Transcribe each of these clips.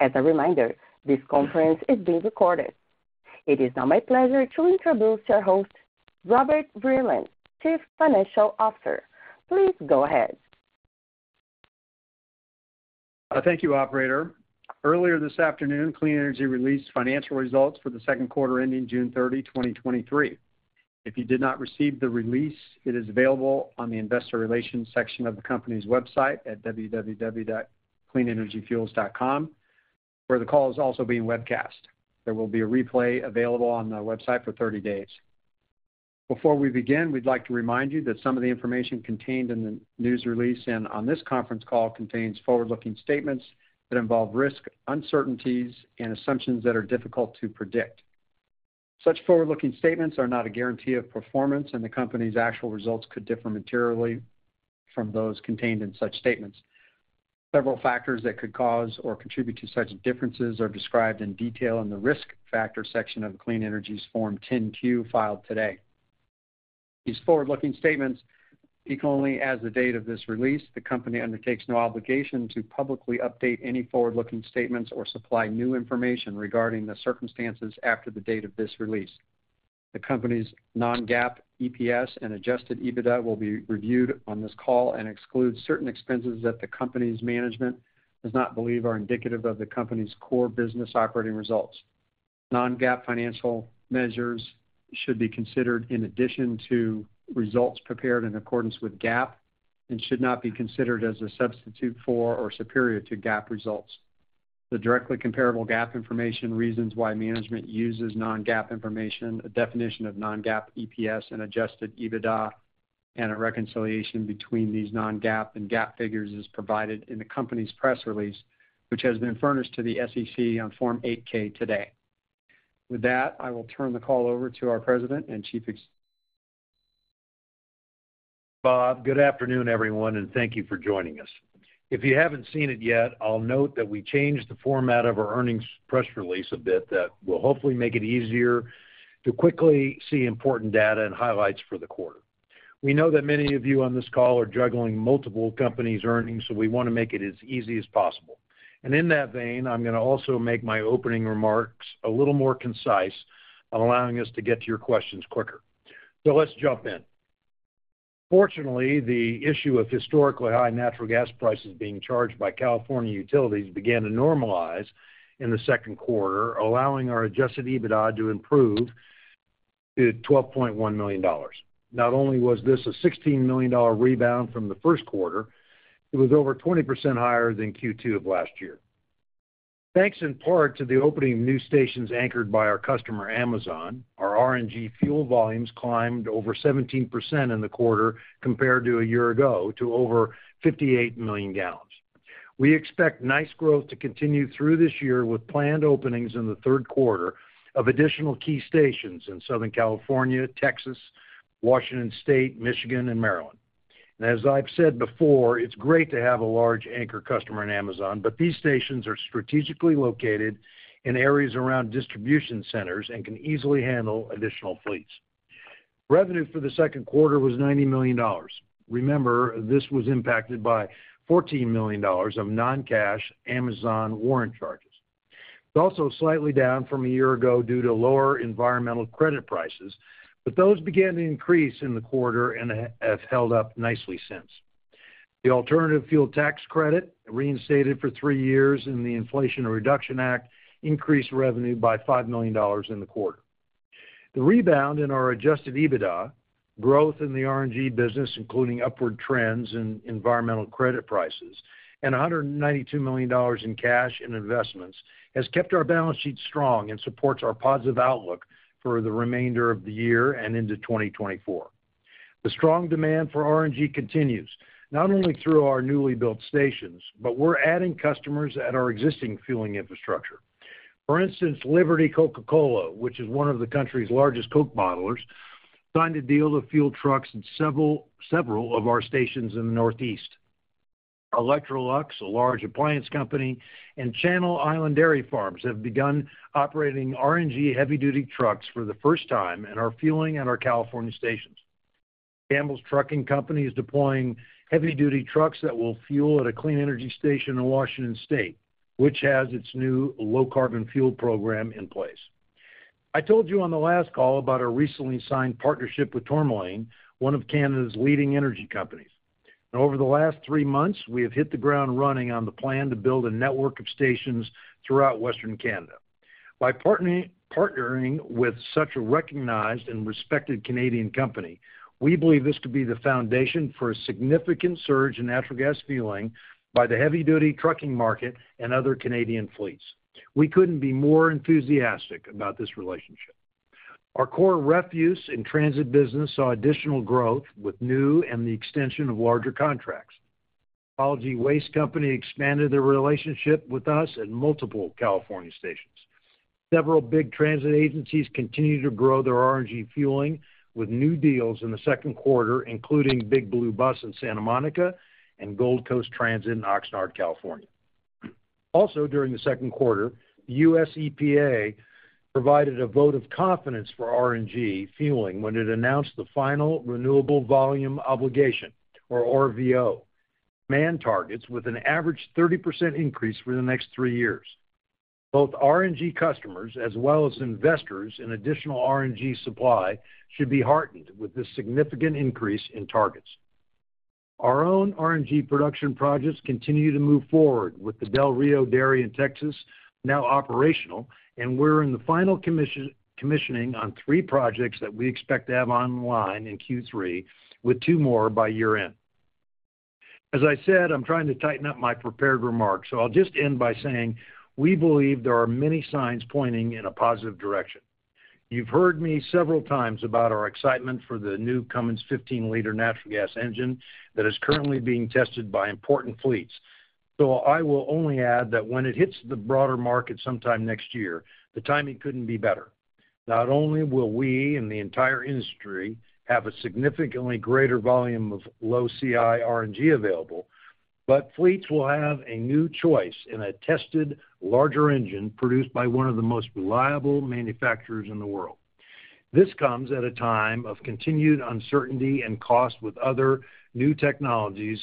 As a reminder, this conference is being recorded. It is now my pleasure to introduce our host, Robert Vreeland, Chief Financial Officer. Please go ahead. Thank you, Operator. Earlier this afternoon, Clean Energy released financial results for the second quarter ending June 30, 2023. If you did not receive the release, it is available on the investor relations section of the company's website at www.cleanenergyfuels.com, where the call is also being webcast. There will be a replay available on the website for 30 days. Before we begin, we'd like to remind you that some of the information contained in the news release and on this conference call contains forward-looking statements that involve risk, uncertainties and assumptions that are difficult to predict. Such forward-looking statements are not a guarantee of performance, and the company's actual results could differ materially from those contained in such statements. Several factors that could cause or contribute to such differences are described in detail in the Risk Factors section of Clean Energy's Form 10-Q filed today. These forward-looking statements speak only as of the date of this release. The company undertakes no obligation to publicly update any forward-looking statements or supply new information regarding the circumstances after the date of this release. The company's Non-GAAP, EPS, and Adjusted EBITDA will be reviewed on this call and exclude certain expenses that the company's management does not believe are indicative of the company's core business operating results. Non-GAAP financial measures should be considered in addition to results prepared in accordance with GAAP and should not be considered as a substitute for or superior to GAAP results. The directly comparable GAAP information, reasons why management uses Non-GAAP information, a definition of Non-GAAP EPS and Adjusted EBITDA, and a reconciliation between these Non-GAAP and GAAP figures is provided in the company's press release, which has been furnished to the SEC on Form 8-K today. With that, I will turn the call over to our President and Chief ex-. Good afternoon, everyone, and thank you for joining us. If you haven't seen it yet, I'll note that we changed the format of our earnings press release a bit, that will hopefully make it easier to quickly see important data and highlights for the quarter. We know that many of you on this call are juggling multiple companies' earnings, so we want to make it as easy as possible. In that vein, I'm going to also make my opening remarks a little more concise on allowing us to get to your questions quicker. Let's jump in. Fortunately, the issue of historically high natural gas prices being charged by California utilities began to normalize in the second quarter, allowing our Adjusted EBITDA to improve to $12.1 million. Not only was this a $16 million rebound from the first quarter, it was over 20% higher than Q2 of last year. Thanks in part to the opening of new stations anchored by our customer, Amazon, our RNG Fuel volumes climbed over 17% in the quarter compared to a year ago, to over 58 million gallons. We expect nice growth to continue through this year, with planned openings in the third quarter of additional key stations in Southern California, Texas, Washington State, Michigan, and Maryland. As I've said before, it's great to have a large anchor customer in Amazon, but these stations are strategically located in areas around distribution centers and can easily handle additional fleets. Revenue for the second quarter was $90 million. Remember, this was impacted by $14 million of non-cash Amazon warrant charges. It's also slightly down from a year ago due to lower environmental credit prices. Those began to increase in the quarter and have held up nicely since. The Alternative Fuel Tax Credit, reinstated for 3 years in the Inflation Reduction Act, increased revenue by $5 million in the quarter. The rebound in our Adjusted EBITDA, growth in the RNG business, including upward trends in environmental credit prices, and $192 million in cash and investments, has kept our balance sheet strong and supports our positive outlook for the remainder of the year and into 2024. The strong demand for RNG continues, not only through our newly built stations, but we're adding customers at our existing fueling infrastructure. For instance, Liberty Coca-Cola, which is one of the country's largest Coke bottlers, signed a deal to fuel trucks in several, several of our stations in the Northeast. Electrolux, a large appliance company, and Channel Islands Dairy Farms have begun operating RNG heavy-duty trucks for the first time and are fueling at our California stations. Campbell's Trucking Company is deploying heavy-duty trucks that will fuel at a Clean Energy station in Washington State, which has its new low-carbon fuel program in place. I told you on the last call about our recently signed partnership with Tourmaline, one of Canada's leading Energy Companies. Over the last three months, we have hit the ground running on the plan to build a network of stations throughout western Canada. Partnering with such a recognized and respected Canadian company, we believe this to be the foundation for a significant surge in natural gas fueling by the heavy-duty trucking market and other Canadian fleets. We couldn't be more enthusiastic about this relationship. Our core refuse and transit business saw additional growth with new and the extension of larger contracts. Ecology Auto Parts expanded their relationship with us at multiple California Stations. Several big transit agencies continued to grow their RNG fueling with new deals in the second quarter, including Big Blue Bus in Santa Monica and Gold Coast Transit in Oxnard, California. During the second quarter, the U.S. EPA provided a vote of confidence for RNG fueling when it announced the final Renewable Volume Obligation or RVO. Man targets with an average 30% increase for the next three years. Both RNG customers as well as investors in additional RNG supply, should be heartened with this significant increase in targets. Our own RNG production projects continue to move forward with the Del Rio Dairy in Texas now operational, and we're in the final commissioning on three projects that we expect to have online in Q3, with two more by year-end. As I said, I'm trying to tighten up my prepared remarks, I'll just end by saying, we believe there are many signs pointing in a positive direction. You've heard me several times about our excitement for the new Cummins 15-liter natural gas engine that is currently being tested by important fleets. I will only add that when it hits the broader market sometime next year, the timing couldn't be better. Not only will we and the entire industry have a significantly greater volume of low CI RNG available, but fleets will have a new choice in a tested, larger engine produced by one of the most reliable manufacturers in the world. This comes at a time of continued uncertainty and cost with other new technologies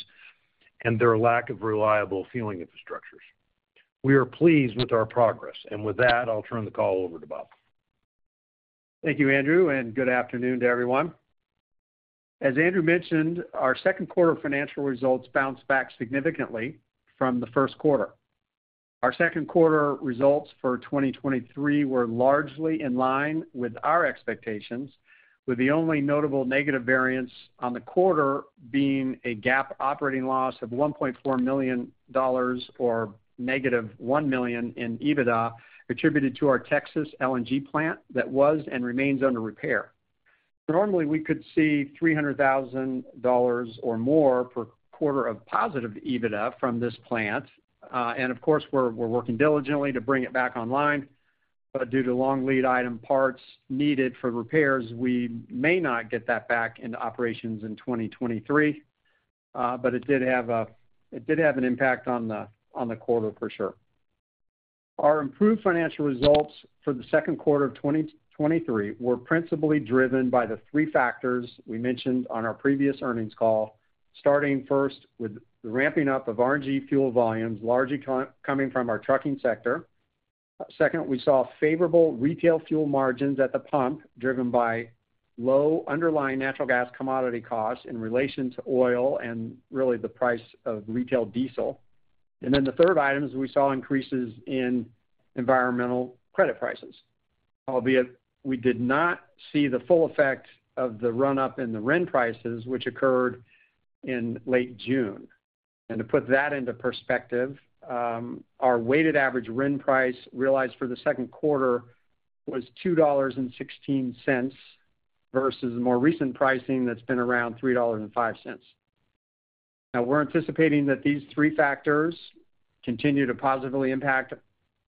and their lack of reliable fueling infrastructures. We are pleased with our progress, and with that, I'll turn the call over to Bob. Thank you, Andrew. Good afternoon to everyone. As Andrew mentioned, our second quarter financial results bounced back significantly from the first quarter. Our second quarter results for 2023 were largely in line with our expectations, with the only notable negative variance on the quarter being a GAAP operating loss of $1.4 million, or -$1 million in EBITDA, attributed to our Texas LNG plant that was and remains under repair. Normally, we could see $300,000 or more per quarter of positive EBITDA from this plant. Of course, we're working diligently to bring it back online, but due to long lead item parts needed for repairs, we may not get that back into operations in 2023. It did have an impact on the quarter for sure. Our improved financial results for the second quarter of 2023 were principally driven by the three factors we mentioned on our previous earnings call, starting first with the ramping up of RNG fuel volumes, largely coming from our trucking sector. Second, we saw favorable retail fuel margins at the pump, driven by low underlying natural gas commodity costs in relation to oil and really the price of retail diesel. Then the third item is we saw increases in environmental credit prices, albeit we did not see the full effect of the run-up in the RIN prices, which occurred in late June. To put that into perspective, our weighted average RIN price realized for the second quarter was $2.16 versus more recent pricing that's been around $3.05. Now, we're anticipating that these three factors continue to positively impact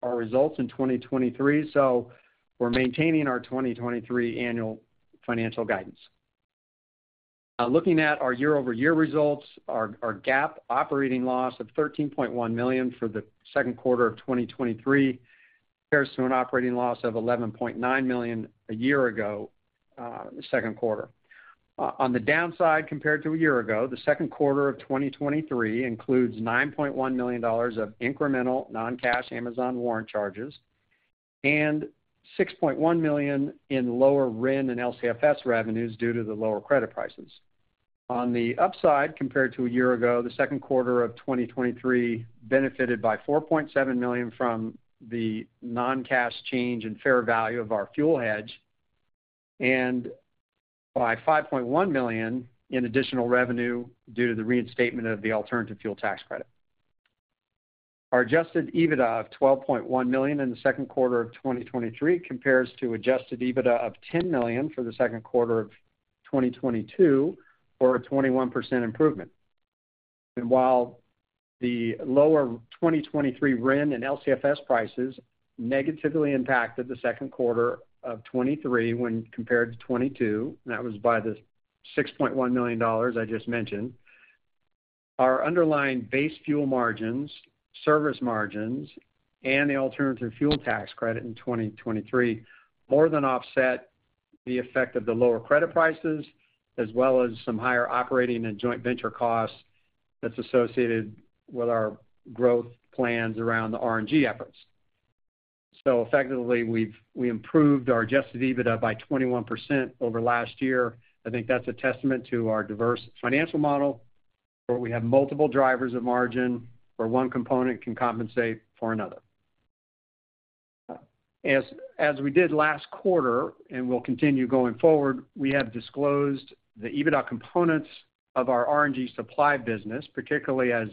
our results in 2023, so we're maintaining our 2023 annual financial guidance. Looking at our year-over-year results, our GAAP operating loss of $13.1 million for the second quarter of 2023 compares to an operating loss of $11.9 million a year ago in the second quarter. On the downside, compared to a year ago, the second quarter of 2023 includes $9.1 million of incremental non-cash Amazon warrant charges and $6.1 million in lower RIN and LCFS revenues due to the lower credit prices. On the upside, compared to a year ago, the second quarter of 2023 benefited by $4.7 million from the non-cash change in fair value of our fuel hedge and by $5.1 million in additional revenue due to the reinstatement of the Alternative Fuel Tax Credit. Our Adjusted EBITDA of $12.1 million in the second quarter of 2023 compares to Adjusted EBITDA of $10 million for the second quarter of 2022, or a 21% improvement. While the lower 2023 RIN and LCFS prices negatively impacted the second quarter of 2023 when compared to 2022, that was by the $6.1 million I just mentioned. Our underlying base fuel margins, service margins, and the Alternative Fuel Tax Credit in 2023 more than offset the effect of the lower credit prices, as well as some higher operating and joint venture costs that's associated with our growth plans around the RNG efforts. Effectively, we improved our Adjusted EBITDA by 21% over last year. I think that's a testament to our diverse financial model, where we have multiple drivers of margin, where one component can compensate for another. As, as we did last quarter, and we'll continue going forward, we have disclosed the EBITDA components of our RNG supply business, particularly as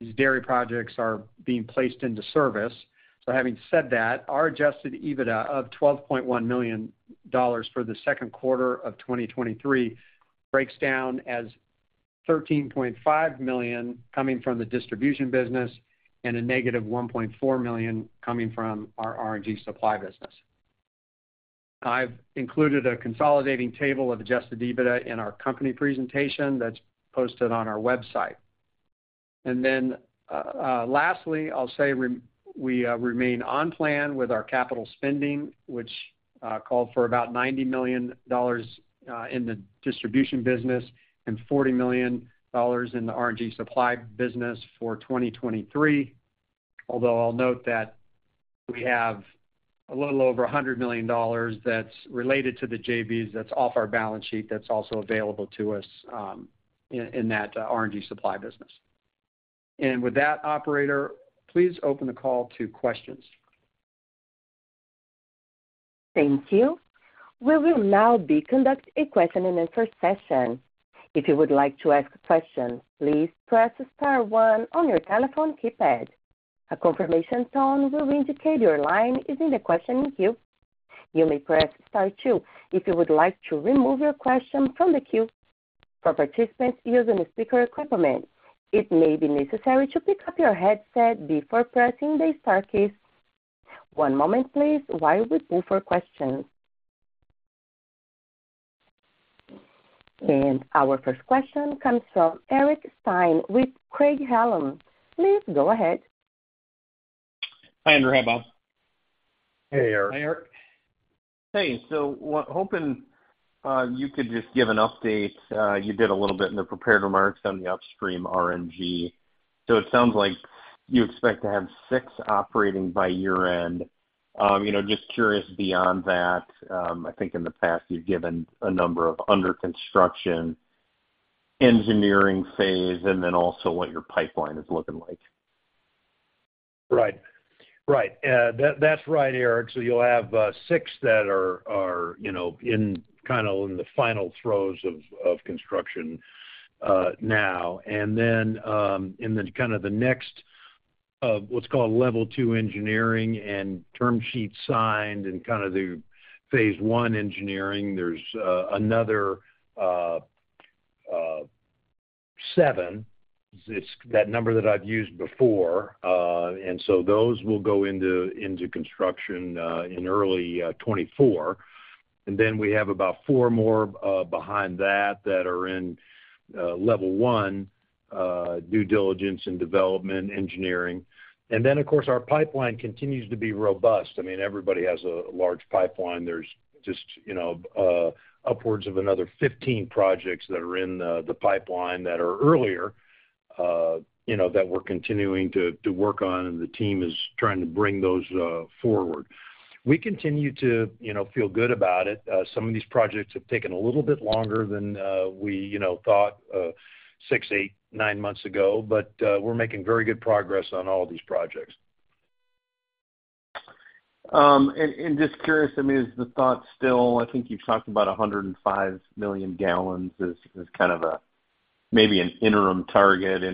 these dairy projects are being placed into service. Having said that, our Adjusted EBITDA of $12.1 million for the second quarter of 2023 breaks down as $13.5 million coming from the distribution business and a negative $1.4 million coming from our RNG supply business. I've included a consolidating table of Adjusted EBITDA in our company presentation that's posted on our website. Lastly, I'll say we remain on plan with our capital spending, which called for about $90 million in the distribution business and $40 million in the RNG supply business for 2023. Although I'll note that we have a little over $100 million that's related to the JVs that's off our balance sheet, that's also available to us in that RNG supply business. With that, Operator, please open the call to questions. Thank you. We will now be conducting a question-and-answer session. If you would like to ask a question, please press star one on your telephone keypad. A confirmation tone will indicate your line is in the questioning queue. You may press star two if you would like to remove your question from the queue. For participants using speaker equipment, it may be necessary to pick up your headset before pressing the star keys. One moment, please, while we pull for questions. Our first question comes from Eric Stine with Craig-Hallum. Please go ahead. Hi, Andrew. Hi, Bob. Hey, Eric. Hey, Eric. Hey, hoping you could just give an update. You did a little bit in the prepared remarks on the upstream RNG. It sounds like you expect to have six operating by year-end. You know, just curious, beyond that, I think in the past, you've given a number of under-construction engineering phase and then also what your pipeline is looking like. Right. Right. That, that's right, Eric. You'll have six that are, are, you know, in kind of in the final throes of, of construction now. Kind of the next what's called level two engineering and term sheet signed and kind of the phase l Engineering, there's another seven. It's that number that I've used before. Those will go into, into construction in early 2024. We have about four more behind that, that are in level one due diligence and development engineering. Of course, our pipeline continues to be robust. I mean, everybody has a large pipeline. There's just, you know, upwards of another 15 projects that are in the, the pipeline that are earlier, you know, that we're continuing to, to work on. The team is trying to bring those forward. We continue to, you know, feel good about it. Some of these projects have taken a little bit longer than we, you know, thought, six, eight, nine months ago. We're making very good progress on all of these projects. Just curious, I mean, is the thought still... I think you've talked about 105 million gallons as, as kind of a, maybe an interim target. With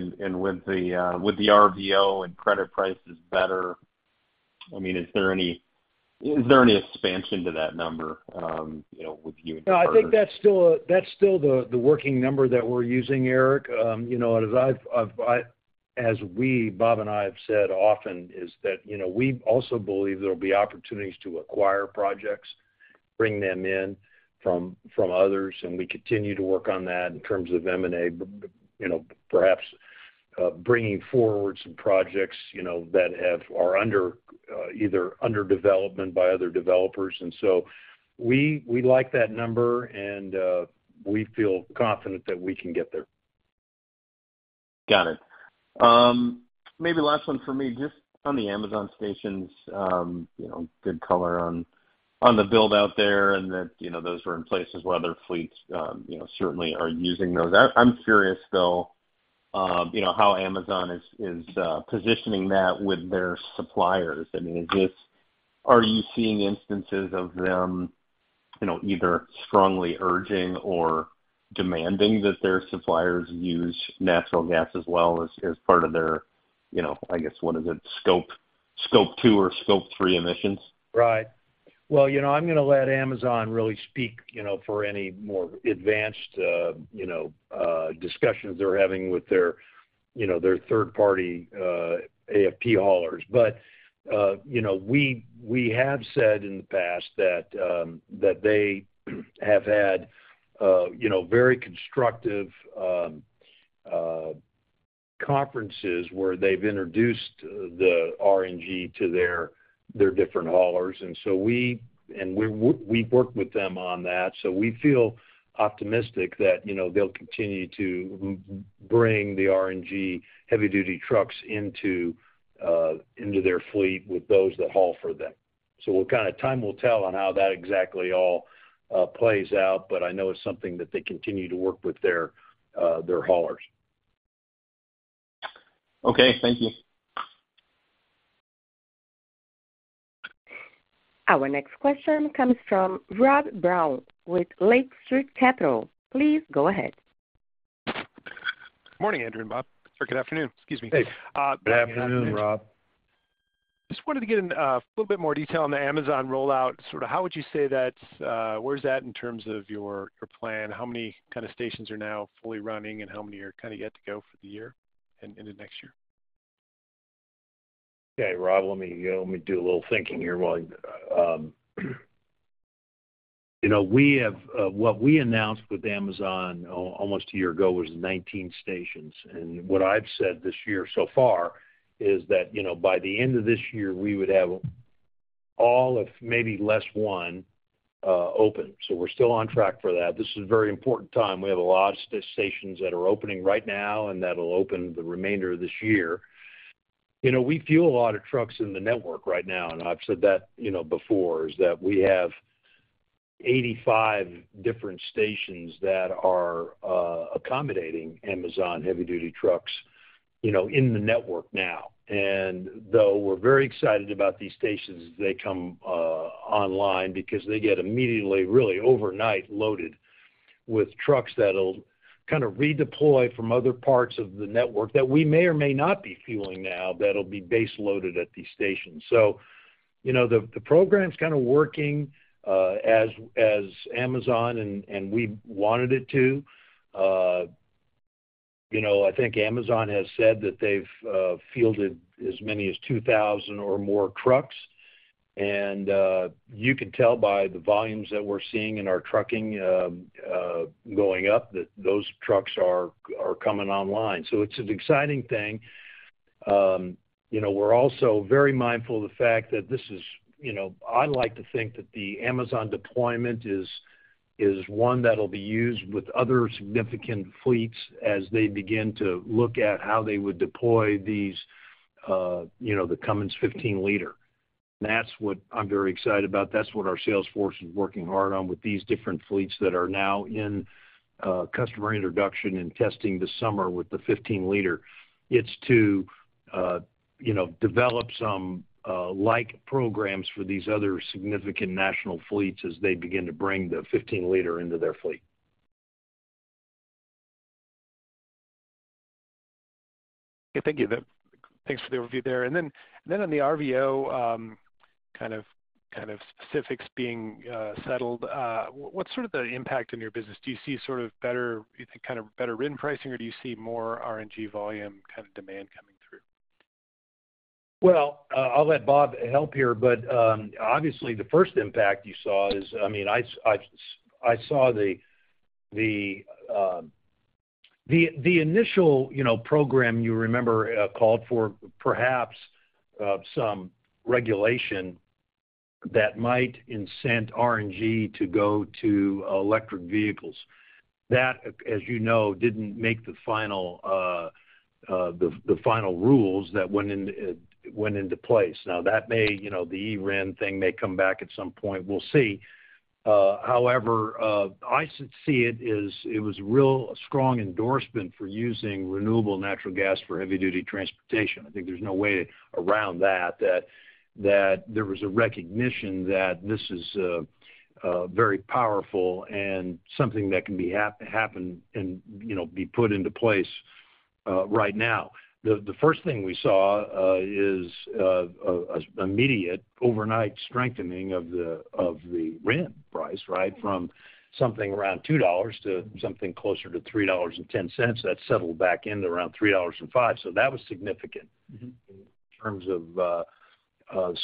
the RVO and credit prices better, I mean, is there any, is there any expansion to that number, with you. No, I think that's still the, the working number that we're using, Eric. You know, as I've, I've, as we, Bob and I, have said often, is that, you know, we also believe there will be opportunities to acquire projects, bring them in from, from others, and we continue to work on that in terms of M&A. You know, perhaps, bringing forward some projects, you know, that have, are under, either under development by other developers. So we, we like that number, and, we feel confident that we can get there. Got it. Maybe last one for me, just on the Amazon stations, you know, good color on, on the build out there and that, you know, those were in place as well. Other fleets, you know, certainly are using those. I'm curious, though, you know, how Amazon is, is positioning that with their suppliers. I mean, are you seeing instances of them, you know, either strongly urging or demanding that their suppliers use natural gas as well as, as part of their, you know, I guess, what is it? Scope two or scope three emissions? Right. Well, you know, I'm gonna let Amazon really speak, you know, for any more advanced, you know, discussions they're having with their, you know, their third-party, AFP haulers. You know, we, we have said in the past that they have had, you know, very constructive conferences where they've introduced the RNG to their, their different haulers. We work with them on that, so we feel optimistic that, you know, they'll continue to bring the RNG heavy-duty trucks into their fleet with those that haul for them. What kind of time will tell on how that exactly all plays out, but I know it's something that they continue to work with their, their haulers. Okay. Thank you. Our next question comes from Rob Brown with Lake Street Capital. Please go ahead. Good morning, Andrew and Bob, or good afternoon. Excuse me. Hey. Good afternoon, Rob. Just wanted to get into a little bit more detail on the Amazon rollout. Sort of how would you say that, where's that in terms of your plan? How many kind of stations are now fully running, and how many are kind of yet to go for the year and in the next year? Okay, Rob, let me let me do a little thinking here while, you know, we have what we announced with Amazon almost a year ago was 19 stations. What I've said this year so far is that, you know, by the end of this year, we would have all, if maybe less one, open. We're still on track for that. This is a very important time. We have a lot of stations that are opening right now and that'll open the remainder of this year. You know, we fuel a lot of trucks in the network right now, and I've said that, you know, before, is that we have 85 different stations that are accommodating Amazon heavy-duty trucks, you know, in the network now. Though we're very excited about these stations, they come online because they get immediately, really overnight, loaded with trucks that'll kind of redeploy from other parts of the network that we may or may not be fueling now, that'll be base loaded at these stations. You know, the program's kind of working as Amazon and we wanted it to. You know, I think Amazon has said that they've fielded as many as 2,000 or more trucks, and you can tell by the volumes that we're seeing in our trucking going up, that those trucks are coming online. It's an exciting thing. You know, we're also very mindful of the fact that this is, you know. I like to think that the Amazon deployment is, is one that'll be used with other significant fleets as they begin to look at how they would deploy these, you know, the Cummins 15-liter. That's what I'm very excited about. That's what our sales force is working hard on with these different fleets that are now in, customer introduction and testing this summer with the 15-liter. It's to, you know, develop some, like programs for these other significant national fleets as they begin to bring the 15-liter into their fleet. Okay. Thank you. Thanks for the overview there. Then on the RVO, kind of specifics being settled, what's sort of the impact on your business? Do you see sort of better, you think, kind of better RIN pricing, or do you see more RNG volume kind of demand coming through? Well, I'll let Bob help here, but, obviously, the first impact you saw is, I mean, I saw the initial, you know, program you remember, called for perhaps some regulation that might incent RNG to go to electric vehicles. That, as you know, didn't make the final rules that went into place. Now, that may, you know, the e-RIN thing may come back at some point. We'll see. However, I see it as it was a real strong endorsement for using renewable natural gas for heavy-duty transportation. I think there's no way around that there was a recognition that this is very powerful and something that can be happen and, you know, be put into place right now. The first thing we saw is an immediate overnight strengthening of the RIN price, right? From something around $2 to something closer to $3.10. That settled back in around $3.05. That was significant- Mm-hmm. In terms of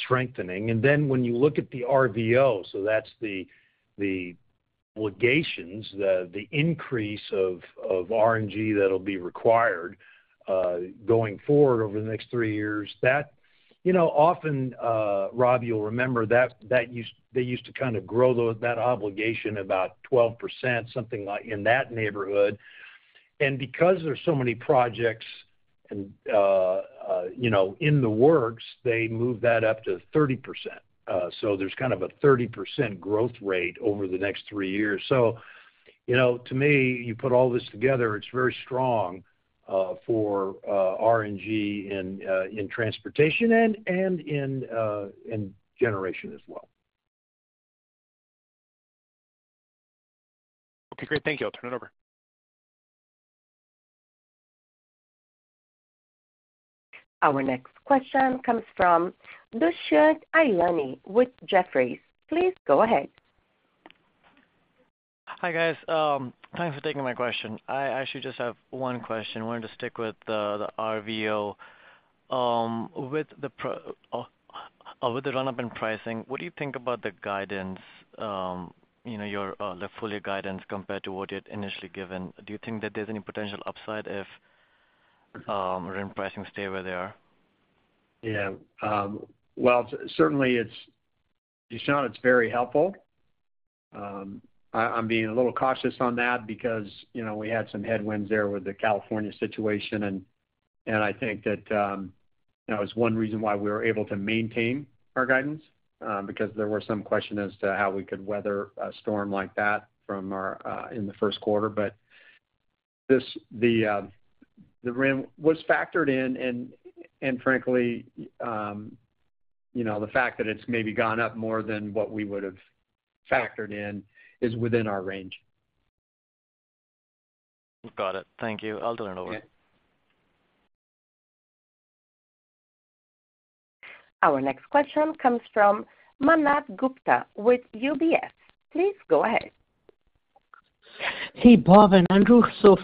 strengthening. When you look at the RVO, so that's the, the obligations, the, the increase of, of RNG that'll be required going forward over the next 3 years. That, you know, often, Rob, you'll remember that, that used-- they used to kind of grow those, that obligation about 12%, something like in that neighborhood. Because there's so many projects and, you know, in the works, they moved that up to 30%. So there's kind of a 30% growth rate over the next 3 years. You know, to me, you put all this together, it's very strong for RNG in transportation and in generation as well. Okay, great. Thank you. I'll turn it over. Our next question comes from Dushyant Ailani with Jefferies. Please go ahead. Hi, guys. Thanks for taking my question. I actually just have one question. Wanted to stick with the, the RVO. With the run-up in pricing, what do you think about the guidance, you know, your, the full year guidance compared to what you had initially given? Do you think that there's any potential upside if RIN pricing stay where they are? Yeah. Well, certainly Dushyant, it's very helpful. I'm being a little cautious on that because, you know, we had some headwinds there with the California situation. I think that, that was one reason why we were able to maintain our guidance. Because there were some question as to how we could weather a storm like that from our, in the first quarter. This, the, the RIN was factored in. Frankly, you know, the fact that it's maybe gone up more than what we would've factored in is within our range. Got it. Thank you. I'll turn it over. Yeah. Our next question comes from Manav Gupta with UBS. Please go ahead. Hey, Bob and Andrew.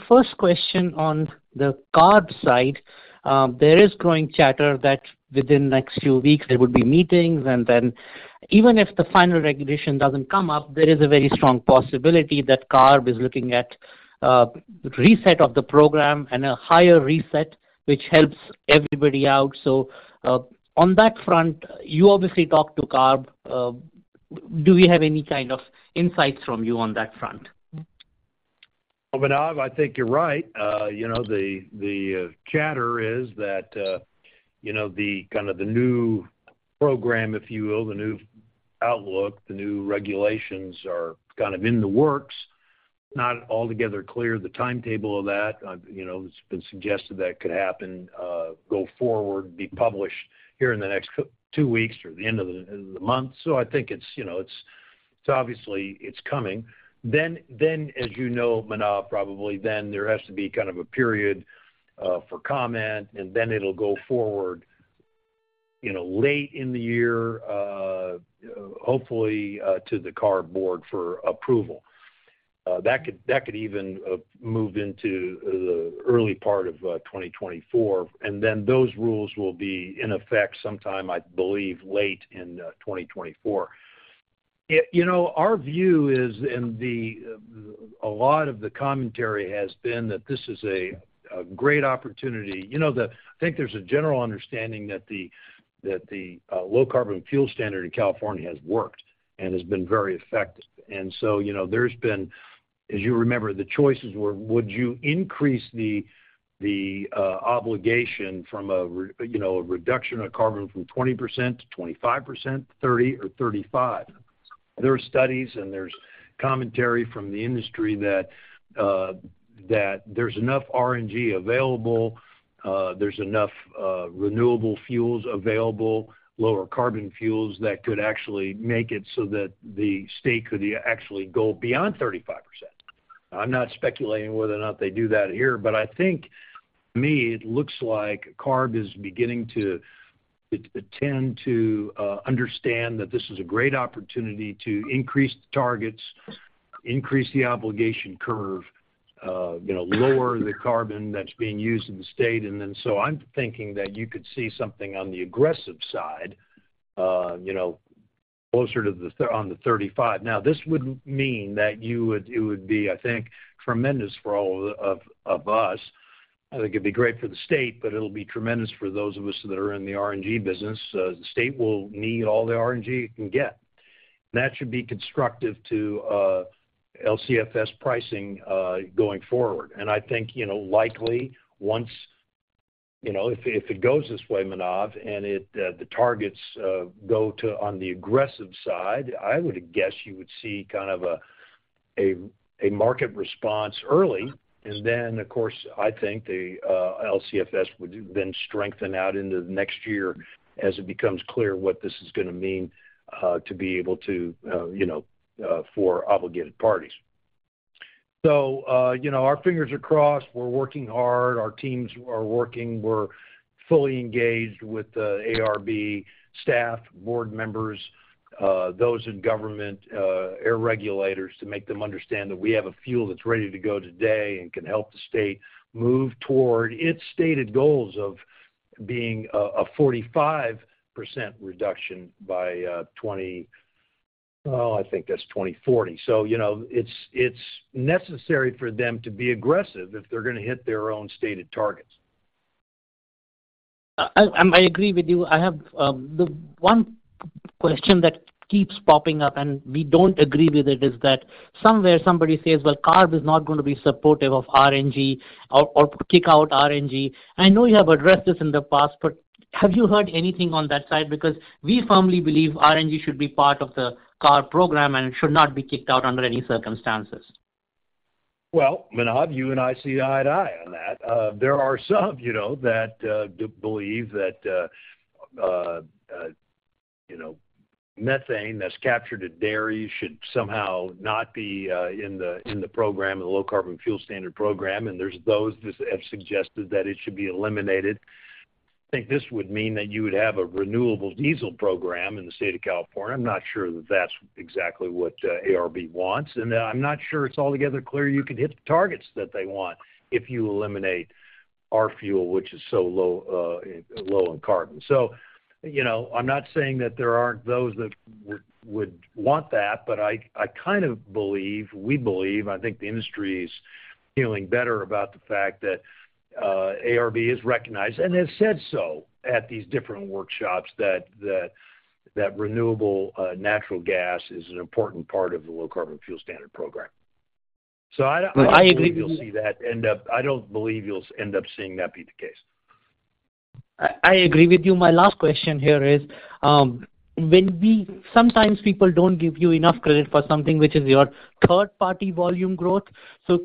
First question on the CARB side. There is growing chatter that within next few weeks, there will be meetings, and then even if the final regulation doesn't come up, there is a very strong possibility that CARB is looking at a reset of the program and a higher reset, which helps everybody out. On that front, you obviously talk to CARB, do we have any kind of insights from you on that front? Well, Manav, I think you're right. You know, the, the, chatter is that, you know, the kind of the new program, if you will, the new outlook, the new regulations are kind of in the works. Not altogether clear, the timetable of that. You know, it's been suggested that could happen, go forward, be published here in the next two weeks or the end of the, the month. I think it's, you know, it's, obviously, it's coming. Then, as you know, Manav, probably then there has to be kind of a period, for comment, and then it'll go forward, you know, late in the year, hopefully, to the CARB board for approval. That could, that could even move into the early part of 2024, and then those rules will be in effect sometime, I believe, late in 2024. You know, our view is, and a lot of the commentary has been that this is a great opportunity. You know, I think there's a general understanding that the Low Carbon Fuel Standard in California has worked and has been very effective. So, you know, there's been. As you remember, the choices were: would you increase the obligation from a, you know, a reduction of carbon from 20% to 25%, 30 or 35? There are studies, and there's commentary from the industry that, that there's enough RNG available, there's enough, renewable fuels available, lower carbon fuels, that could actually make it so that the state could actually go beyond 35%. I'm not speculating whether or not they do that here, but I think to me, it looks like CARB is beginning to, to tend to, understand that this is a great opportunity to increase the targets, increase the obligation curve, you know, lower the carbon that's being used in the state. I'm thinking that you could see something on the aggressive side, you know, closer to on the 35. Now, this would mean that it would be, I think, tremendous for all of, of, us. I think it'd be great for the state, but it'll be tremendous for those of us that are in the RNG business. The state will need all the RNG it can get. That should be constructive to LCFS pricing going forward. I think, you know, likely once, you know, if, if it goes this way, Manav, and it, the targets go to on the aggressive side, I would guess you would see kind of a market response early. Then, of course, I think the LCFS would then strengthen out into the next year as it becomes clear what this is going to mean to be able to, you know, for obligated parties. Our fingers are crossed. We're working hard. Our teams are working. We're fully engaged with the ARB staff, board members, those in government, air regulators, to make them understand that we have a fuel that's ready to go today and can help the state move toward its stated goals of being a, a 45% reduction by, oh, I think that's 2040. You know, it's, it's necessary for them to be aggressive if they're going to hit their own stated targets. I agree with you. I have the one question that keeps popping up, and we don't agree with it, is that somewhere, somebody says: Well, CARB is not going to be supportive of RNG or, or kick out RNG. I know you have addressed this in the past, but have you heard anything on that side? We firmly believe RNG should be part of the CARB program and should not be kicked out under any circumstances. Well, Manav, you and I see eye to eye on that. There are some, you know, that do believe that, you know, methane that's captured at dairy should somehow not be in the program, in the Low Carbon Fuel Standard program, and there's those that have suggested that it should be eliminated. I think this would mean that you would have a renewable diesel program in the state of California. I'm not sure that that's exactly what ARB wants, and I'm not sure it's altogether clear you could hit the targets that they want if you eliminate our fuel, which is so low, low in carbon. You know, I'm not saying that there aren't those that would, would want that, but I, I kind of believe, we believe, I think the industry is feeling better about the fact that ARB has recognized and has said so at these different workshops, that, that, that renewable natural gas is an important part of the Low Carbon Fuel Standard program. I don't... I agree with you. I don't believe you'll end up seeing that be the case. I, I agree with you. My last question here is, sometimes people don't give you enough credit for something, which is your third-party volume growth.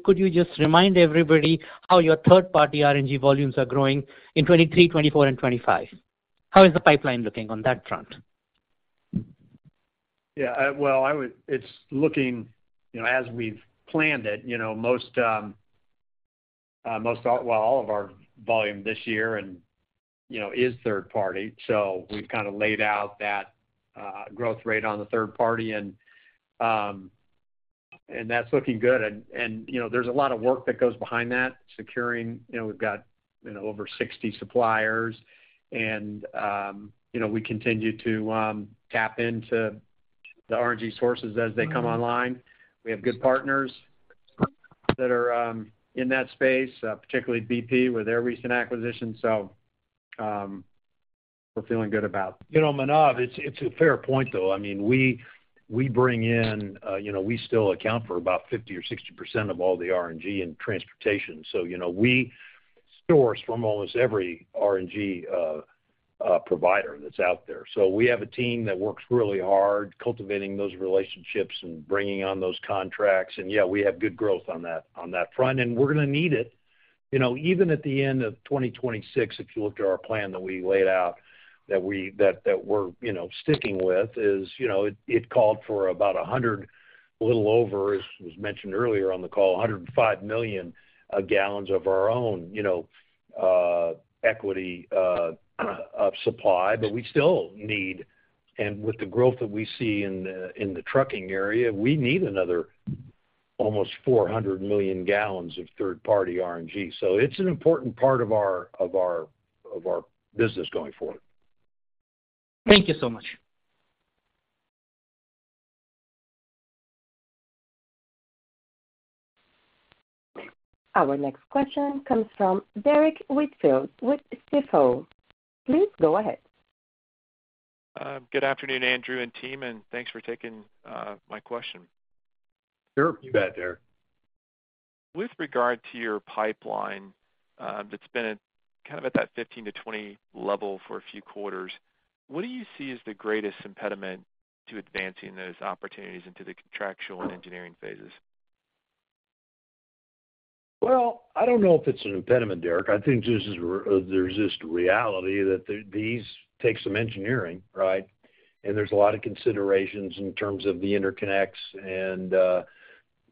Could you just remind everybody how your third-party RNG volumes are growing in 2023, 2024, and 2025? How is the pipeline looking on that front? Yeah, well, it's looking, you know, as we've planned it, you know, most.... most all, well, all of our volume this year and, you know, is third party. We've kind of laid out that growth rate on the third party, and that's looking good. And, you know, there's a lot of work that goes behind that, securing, you know, we've got, you know, over 60 suppliers and, you know, we continue to tap into the RNG sources as they come online. We have good partners that are in that space, particularly BP, with their recent acquisition. We're feeling good about. You know, Manav, it's, it's a fair point, though. I mean, we, we bring in, you know, we still account for about 50% or 60% of all the RNG in transportation. So, you know, we source from almost every RNG provider that's out there. So we have a team that works really hard cultivating those relationships and bringing on those contracts. And, yeah, we have good growth on that, on that front, and we're gonna need it. You know, even at the end of 2026, if you look at our plan that we laid out, that we're, you know, sticking with, is, you know, it, it called for about 105 million gallons of our own, you know, equity of supply. We still need, and with the growth that we see in the, in the trucking area, we need another almost 400 million gallons of third-party RNG. It's an important part of our, of our, of our business going forward. Thank you so much. Our next question comes from Derrick Whitfield with Stifel. Please go ahead. Good afternoon, Andrew and team, and thanks for taking my question. Sure. You bet, Derrick. With regard to your pipeline, that's been at, kind of at that 15-20 level for a few quarters, what do you see as the greatest impediment to advancing those opportunities into the contractual and engineering phases? Well, I don't know if it's an impediment, Derrick. I think this is just reality that these take some engineering, right? There's a lot of considerations in terms of the interconnects, and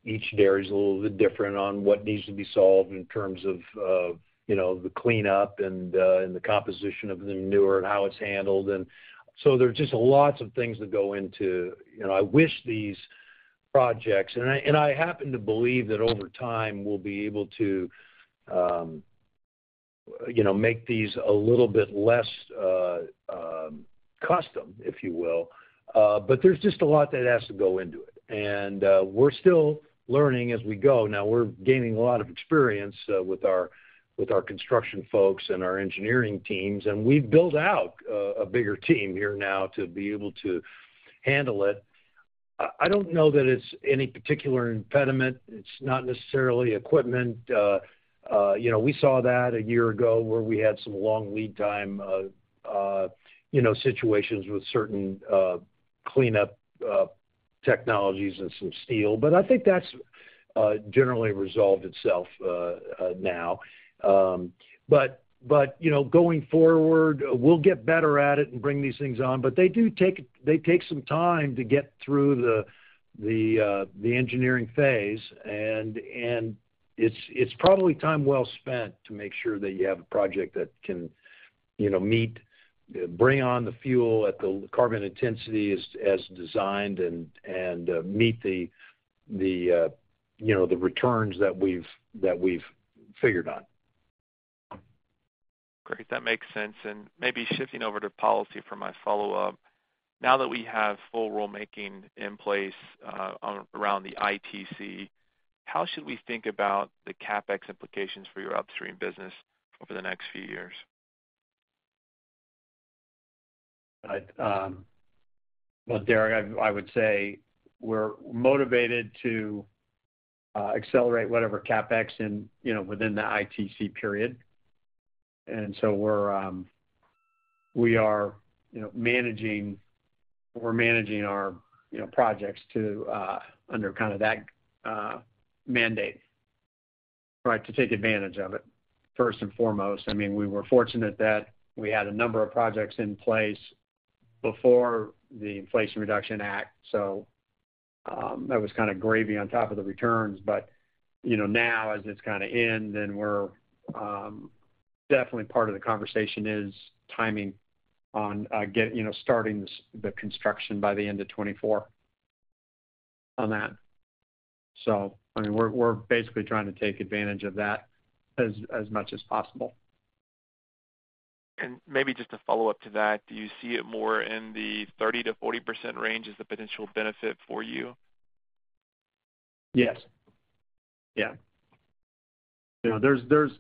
each dairy is a little bit different on what needs to be solved in terms of, you know, the cleanup and the composition of the manure and how it's handled. So there's just lots of things that go into... You know, I wish these projects. I, and I happen to believe that over time, we'll be able to, you know, make these a little bit less custom, if you will. But there's just a lot that has to go into it. We're still learning as we go. We're gaining a lot of experience, with our, with our construction folks and our engineering teams, and we've built out a bigger team here now to be able to handle it. I, I don't know that it's any particular impediment. It's not necessarily equipment. you know, we saw that a year ago, where we had some long lead time, you know, situations with certain cleanup technologies and some steel. I think that's generally resolved itself now. But, you know, going forward, we'll get better at it and bring these things on. They take some time to get through the, the engineering phase. It's probably time well spent to make sure that you have a project that can, you know, meet, bring on the fuel at the carbon intensity as designed and meet the, you know, the returns that we've, that we've figured on. Great, that makes sense. Maybe shifting over to policy for my follow-up. Now that we have full rulemaking in place, around the ITC, how should we think about the CapEx implications for your upstream business over the next few years? Well, Derrick, I, I would say we're motivated to accelerate whatever CapEx in, you know, within the ITC period. We're, we are, you know, managing, we're managing our, you know, projects to under kind of that mandate, right? To take advantage of it, first and foremost. I mean, we were fortunate that we had a number of projects in place before the Inflation Reduction Act, that was kind of gravy on top of the returns. You know, now as it's kind of in, then we're definitely part of the conversation is timing on, you know, starting the construction by the end of 2024 on that. I mean, we're, we're basically trying to take advantage of that as, as much as possible. Maybe just a follow-up to that, do you see it more in the 30%-40% range as the potential benefit for you? Yes. Yeah. You know, there's, there's.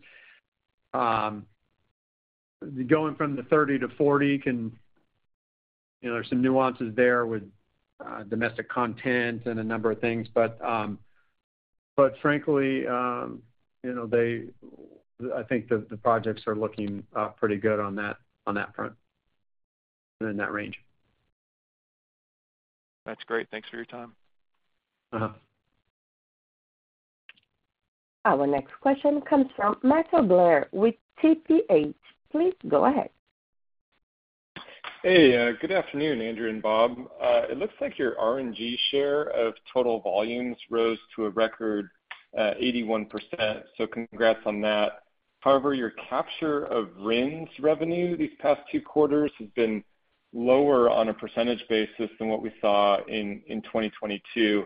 Going from the 30 to 40, you know, there's some nuances there with, domestic content and a number of things, but, but frankly, you know, I think the, the projects are looking pretty good on that, on that front, in that range. That's great. Thanks for your time. Uh-huh. Our next question comes from Matthew Blair with TPH. Please go ahead. Hey, good afternoon, Andrew and Bob. It looks like your RNG share of total volumes rose to a record, 81%, so congrats on that. However, your capture of RINs revenue these past two quarters has been lower on a percentage basis than what we saw in 2022.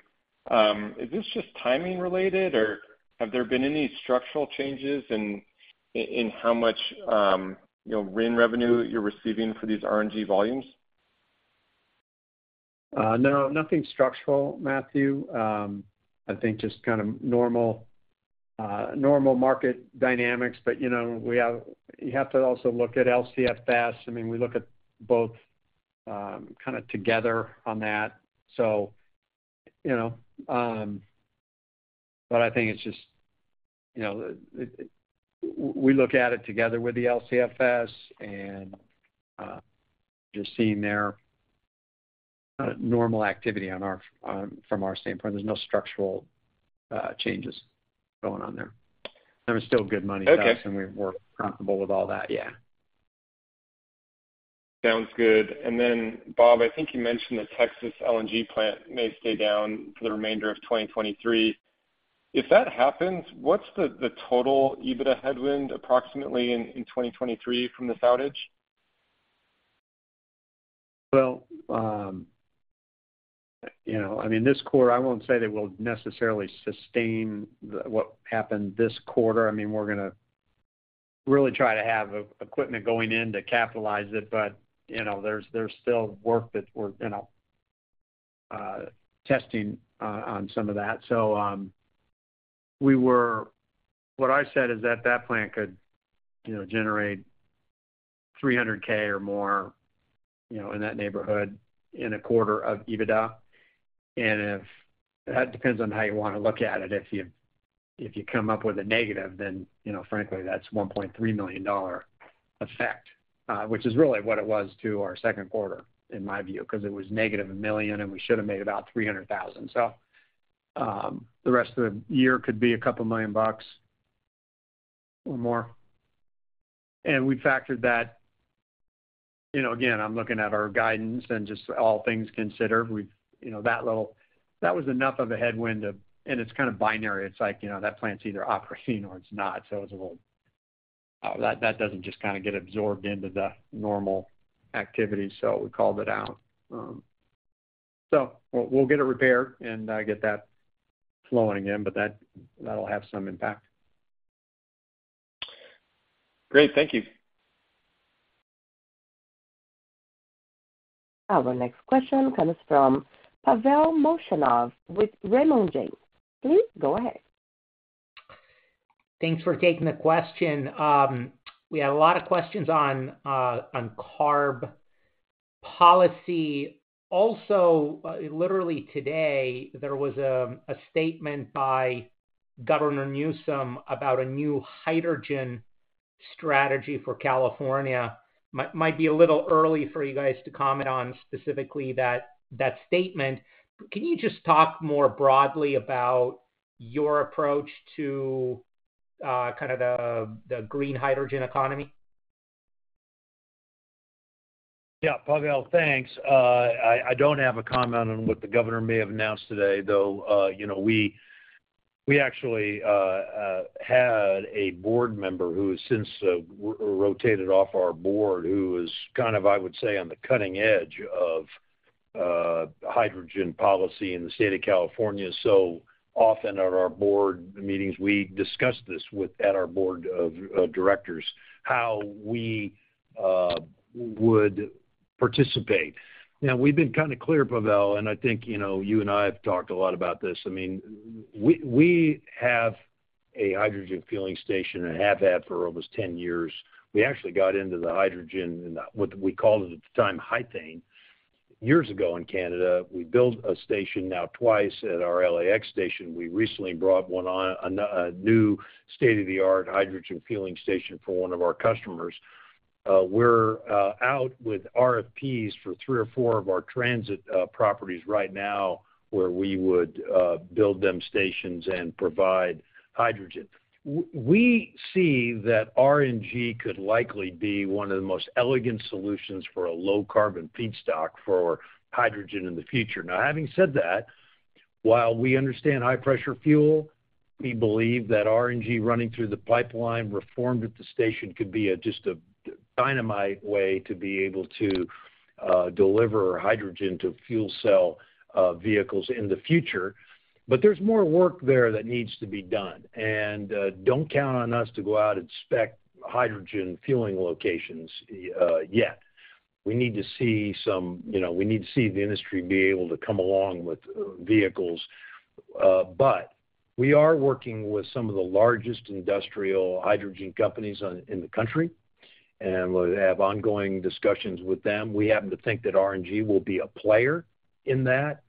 Is this just timing-related, or have there been any structural changes in how much, you know, RIN revenue you're receiving for these RNG volumes? No, nothing structural, Matthew. I think just kind of normal, normal market dynamics. You know, we have to also look at LCFS. I mean, we look at both, kind of together on that. You know, but I think it's just, you know, we look at it together with the LCFS and just seeing their normal activity from our standpoint. There's no structural changes going on there. It's still good money. Okay. We're comfortable with all that, yeah. Sounds good. Bob, I think you mentioned the Texas LNG plant may stay down for the remainder of 2023. If that happens, what's the total EBITDA headwind approximately in 2023 from this outage? Well, you know, I mean, this quarter, I won't say that we'll necessarily sustain the what happened this quarter. I mean, we're gonna really try to have e-equipment going in to capitalize it, but, you know, there's, there's still work that we're, you know, testing on some of that. What I said is that that plant could, you know, generate $300 thousand or more, you know, in that neighborhood, in a quarter of EBITDA. That depends on how you wanna look at it. If you, if you come up with a negative, then, you know, frankly, that's $1.3 million effect, which is really what it was to our second quarter, in my view, because it was negative $1 million, and we should have made about $300 thousand. The rest of the year could be $2 million or more, and we factored that. You know, again, I'm looking at our guidance and just all things considered, we've, you know, that little-- that was enough of a headwind to... It's kind of binary. It's like, you know, that plant's either operating or it's not, so it's a little... that, that doesn't just kind of get absorbed into the normal activity, so we called it out. W-we'll get it repaired and get that flowing again, but that, that'll have some impact. Great. Thank you. Our next question comes from Pavel Molchanov with Raymond James. Please go ahead. Thanks for taking the question. We had a lot of questions on, on CARB policy. Also, literally today, there was, a statement by Governor Newsom about a new hydrogen strategy for California. Might, might be a little early for you guys to comment on specifically that, that statement. Can you just talk more broadly about your approach to, kind of the, the green hydrogen economy? Yeah, Pavel, thanks. I, I don't have a comment on what the governor may have announced today, though, you know, we, we actually had a board member who has since r-rotated off our board, who was kind of, I would say, on the cutting edge of hydrogen policy in the state of California. Often at our board meetings, we discuss this with-- at our board of, of directors, how we would participate. We've been kind of clear, Pavel, and I think, you know, you and I have talked a lot about this. I mean, w-we, we have a hydrogen fueling station and have had for almost 10 years. We actually got into the hydrogen, and what we called it at the time, Hythane, years ago in Canada. We built a station now twice at our LAX station. We recently brought one on, a new state-of-the-art hydrogen fueling station for one of our customers. We're out with RFPs for three or four of our transit properties right now, where we would build them stations and provide hydrogen. We see that RNG could likely be one of the most elegant solutions for a low-carbon feedstock for hydrogen in the future. Now, having said that, while we understand high-pressure fuel, we believe that RNG running through the pipeline, reformed at the station, could be a, just a dynamite way to be able to deliver hydrogen to fuel cell vehicles in the future. There's more work there that needs to be done, and don't count on us to go out and spec hydrogen fueling locations yet. We need to see some... You know, we need to see the industry be able to come along with vehicles. We are working with some of the largest industrial hydrogen companies in the country, and we have ongoing discussions with them. We happen to think that RNG will be a player in that.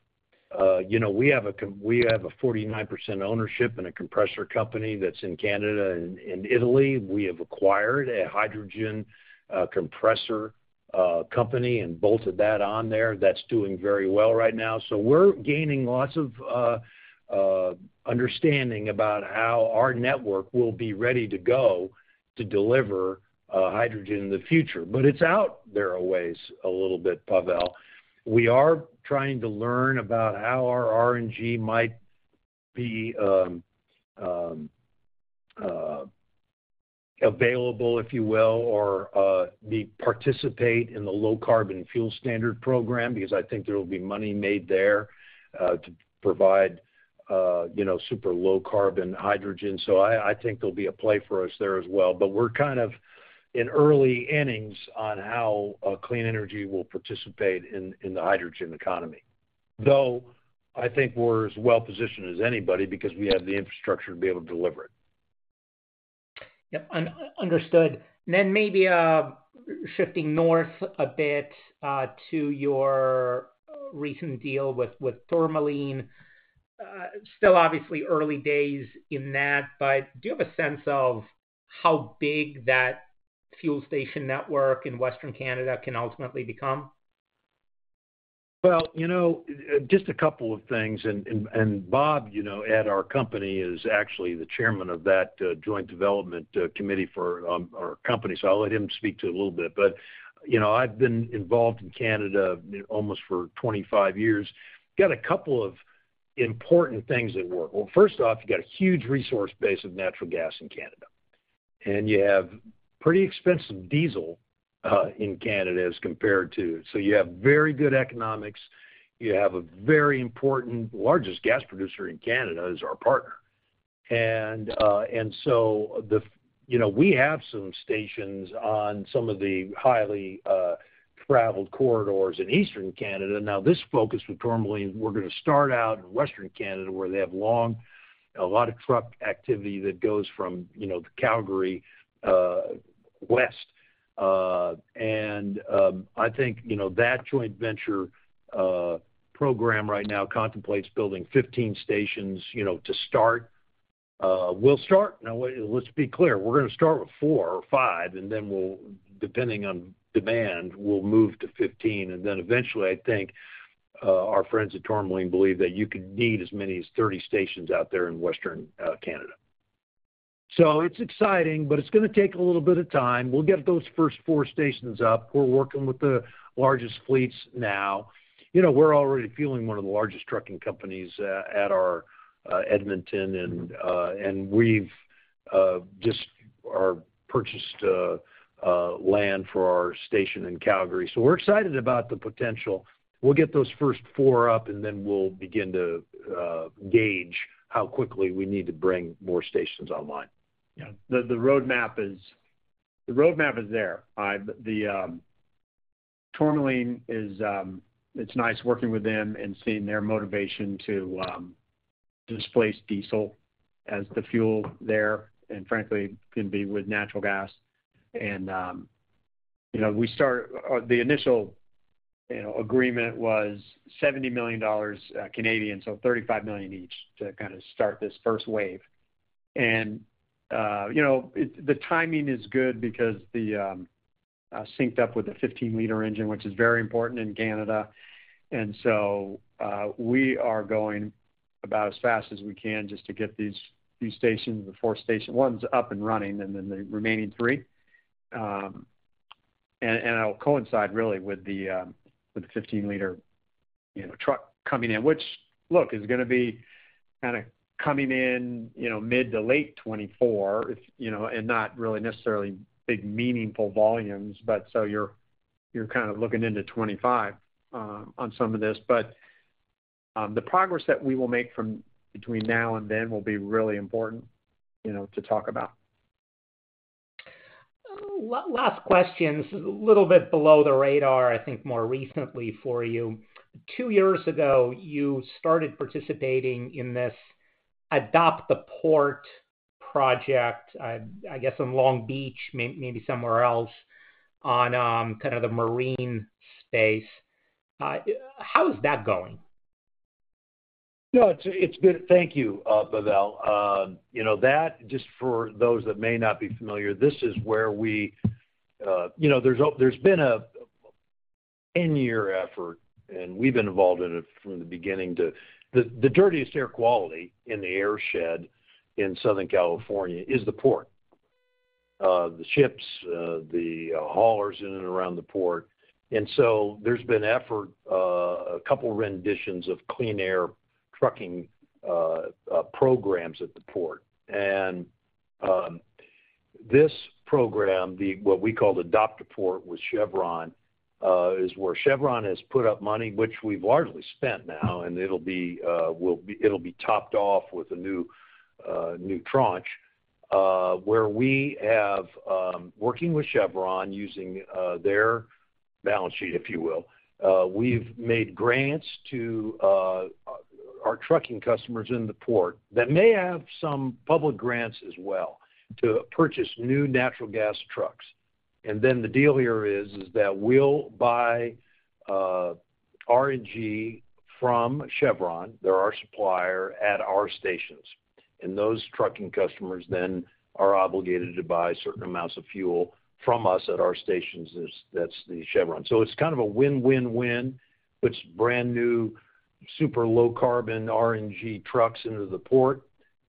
You know, we have a 49% ownership in a compressor company that's in Canada and in Italy. We have acquired a hydrogen compressor company and bolted that on there. That's doing very well right now. We're gaining lots of understanding about how our network will be ready to go to deliver hydrogen in the future, but it's out there a ways, a little bit, Pavel. We are trying to learn about how our RNG might be available, if you will, or we participate in the Low Carbon Fuel Standard program, because I think there will be money made there to provide, you know, super low carbon hydrogen. I, I think there'll be a play for us there as well. We're kind of in early innings on how Clean Energy will participate in the hydrogen economy. Though, I think we're as well positioned as anybody because we have the infrastructure to be able to deliver it. Yep, understood. Maybe shifting north a bit to your recent deal with Tourmaline. Still obviously early days in that, do you have a sense of how big that fuel station network in Western Canada can ultimately become? Well, you know, just a couple of things. Bob, you know, at our company, is actually the chairman of that joint development committee for our company, so I'll let him speak to it a little bit. You know, I've been involved in Canada almost for 25 years. Got a couple of important things at work. Well, first off, you got a huge resource base of natural gas in Canada, and you have pretty expensive diesel in Canada as compared to... You have very good economics. You have a very important, largest gas producer in Canada is our partner. So, you know, we have some stations on some of the highly traveled corridors in Eastern Canada. Now, this focus with Tourmaline, we're gonna start out in Western Canada, where they have long, a lot of truck activity that goes from, you know, Calgary, west. I think, you know, that joint venture program right now contemplates building 15 stations, you know, to start. We'll start. Now let's be clear, we're gonna start with four or five, and then we'll, depending on demand, we'll move to 15. Eventually, I think, our friends at Tourmaline believe that you could need as many as 30 stations out there in Western Canada. It's exciting, but it's gonna take a little bit of time. We'll get those first four stations up. We're working with the largest fleets now. You know, we're already fueling one of the largest trucking companies, at our Edmonton, and we've just, are purchased, land for our station in Calgary. We're excited about the potential. We'll get those first four up, and then we'll begin to gauge how quickly we need to bring more stations online. Yeah. The, the roadmap is, the roadmap is there. I-- but the, Tourmaline is, it's nice working with them and seeing their motivation to, displace diesel as the fuel there, and frankly, can be with natural gas. You know, we start-- the initial, you know, agreement was 70 million Canadian dollars Canadian, so 35 million each, to kind of start this first wave. You know, it-- the timing is good because the, synced up with a 15-liter engine, which is very important in Canada. So, we are going about as fast as we can just to get these, these stations, the four station ones up and running, and then the remaining three. It'll coincide really with the, with the 15-liter, you know, truck coming in. Which, look, is gonna be kind of coming in, you know, mid to late 2024, if, you know, and not really necessarily big, meaningful volumes. You're, you're kind of looking into 2025, on some of this. The progress that we will make from between now and then will be really important, you know, to talk about. Last question. This is a little bit below the radar, I think, more recently for you. Two years ago, you started participating in this Adopt-a-Port project, I guess, in Long Beach, maybe somewhere else, on kind of the marine space. How is that going? No, it's, it's been. Thank you, Pavel. You know, that, just for those that may not be familiar, this is where we. You know, there's there's been a 10-year effort, and we've been involved in it from the beginning. The dirtiest air quality in the airshed in Southern California is the port. The ships, the haulers in and around the port. So there's been effort, a couple renditions of clean air trucking programs at the port. This program, the, what we call Adopt-a-Port with Chevron, is where Chevron has put up money, which we've largely spent now, and it'll be, it'll be topped off with a new, new tranche. Where we have, working with Chevron, using their balance sheet, if you will, we've made grants to our trucking customers in the port that may have some public grants as well, to purchase new natural gas trucks. The deal here is, is that we'll buy RNG from Chevron, they're our supplier, at our stations. Those trucking customers then are obligated to buy certain amounts of fuel from us at our stations, that's, that's the Chevron. It's kind of a win, win, win. Puts brand-new super low carbon RNG trucks into the port.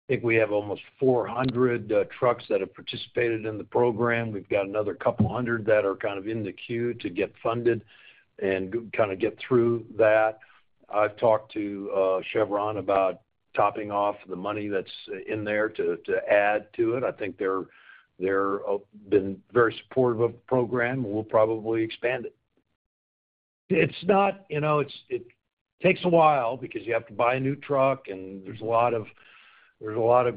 I think we have almost 400 trucks that have participated in the program. We've got another 200 that are kind of in the queue to get funded and kind of get through that. I've talked to Chevron about topping off the money that's in there to add to it. I think they're been very supportive of the program, and we'll probably expand it. It's not, you know, it takes a while because you have to buy a new truck, and there's a lot of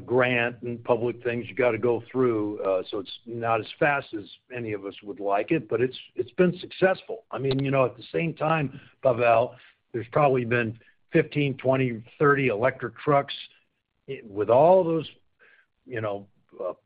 grant and public things you got to go through. It's not as fast as any of us would like it, but it's been successful. I mean, you know, at the same time, Pavel, there's probably been 15, 20, 30 electric trucks. With all those, you know,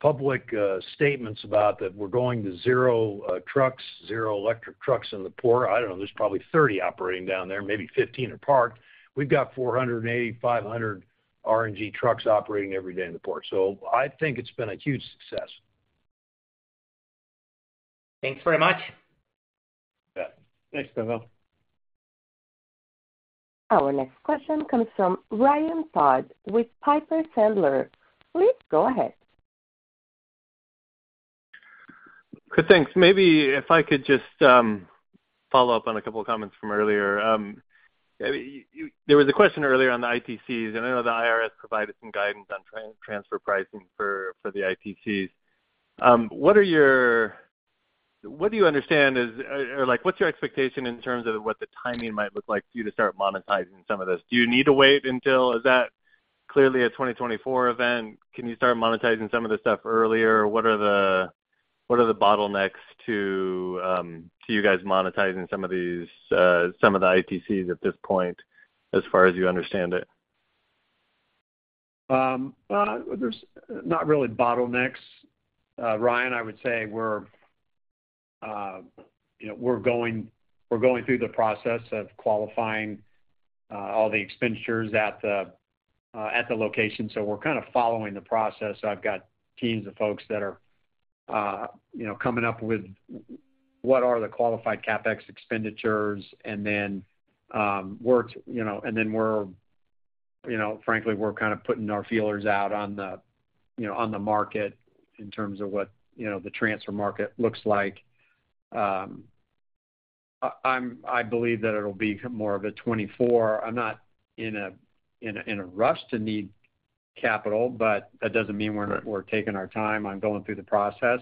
public statements about that we're going to zero trucks, zero electric trucks in the port. I don't know. There's probably 30 operating down there, maybe 15 are parked. We've got 480 RNG-500 RNG trucks operating every day in the port. I think it's been a huge success. Thanks very much. Yeah. Thanks, Pavel. Our next question comes from Ryan Todd with Piper Sandler. Please go ahead. Thanks. Maybe if I could just follow up on a couple of comments from earlier. There was a question earlier on the ITCs, and I know the IRS provided some guidance on transfer pricing for the ITCs. What do you understand is... Or, like, what's your expectation in terms of what the timing might look like for you to start monetizing some of this? Do you need to wait until... Is that clearly a 2024 event? Can you start monetizing some of this stuff earlier? What are the, what are the bottlenecks to you guys monetizing some of these, some of the ITCs at this point, as far as you understand it? There's not really bottlenecks, Ryan. I would say we're, you know, we're going, we're going through the process of qualifying all the expenditures at the location, so we're kind of following the process. I've got teams of folks that are, you know, coming up with what are the qualified CapEx expenditures, and then we're, you know, and then we're, you know, frankly, we're kind of putting our feelers out on the, you know, on the market in terms of what, you know, the transfer market looks like. I believe that it'll be more of a 24. I'm not in a, in a, in a rush to need capital, but that doesn't mean we're, we're taking our time on going through the process,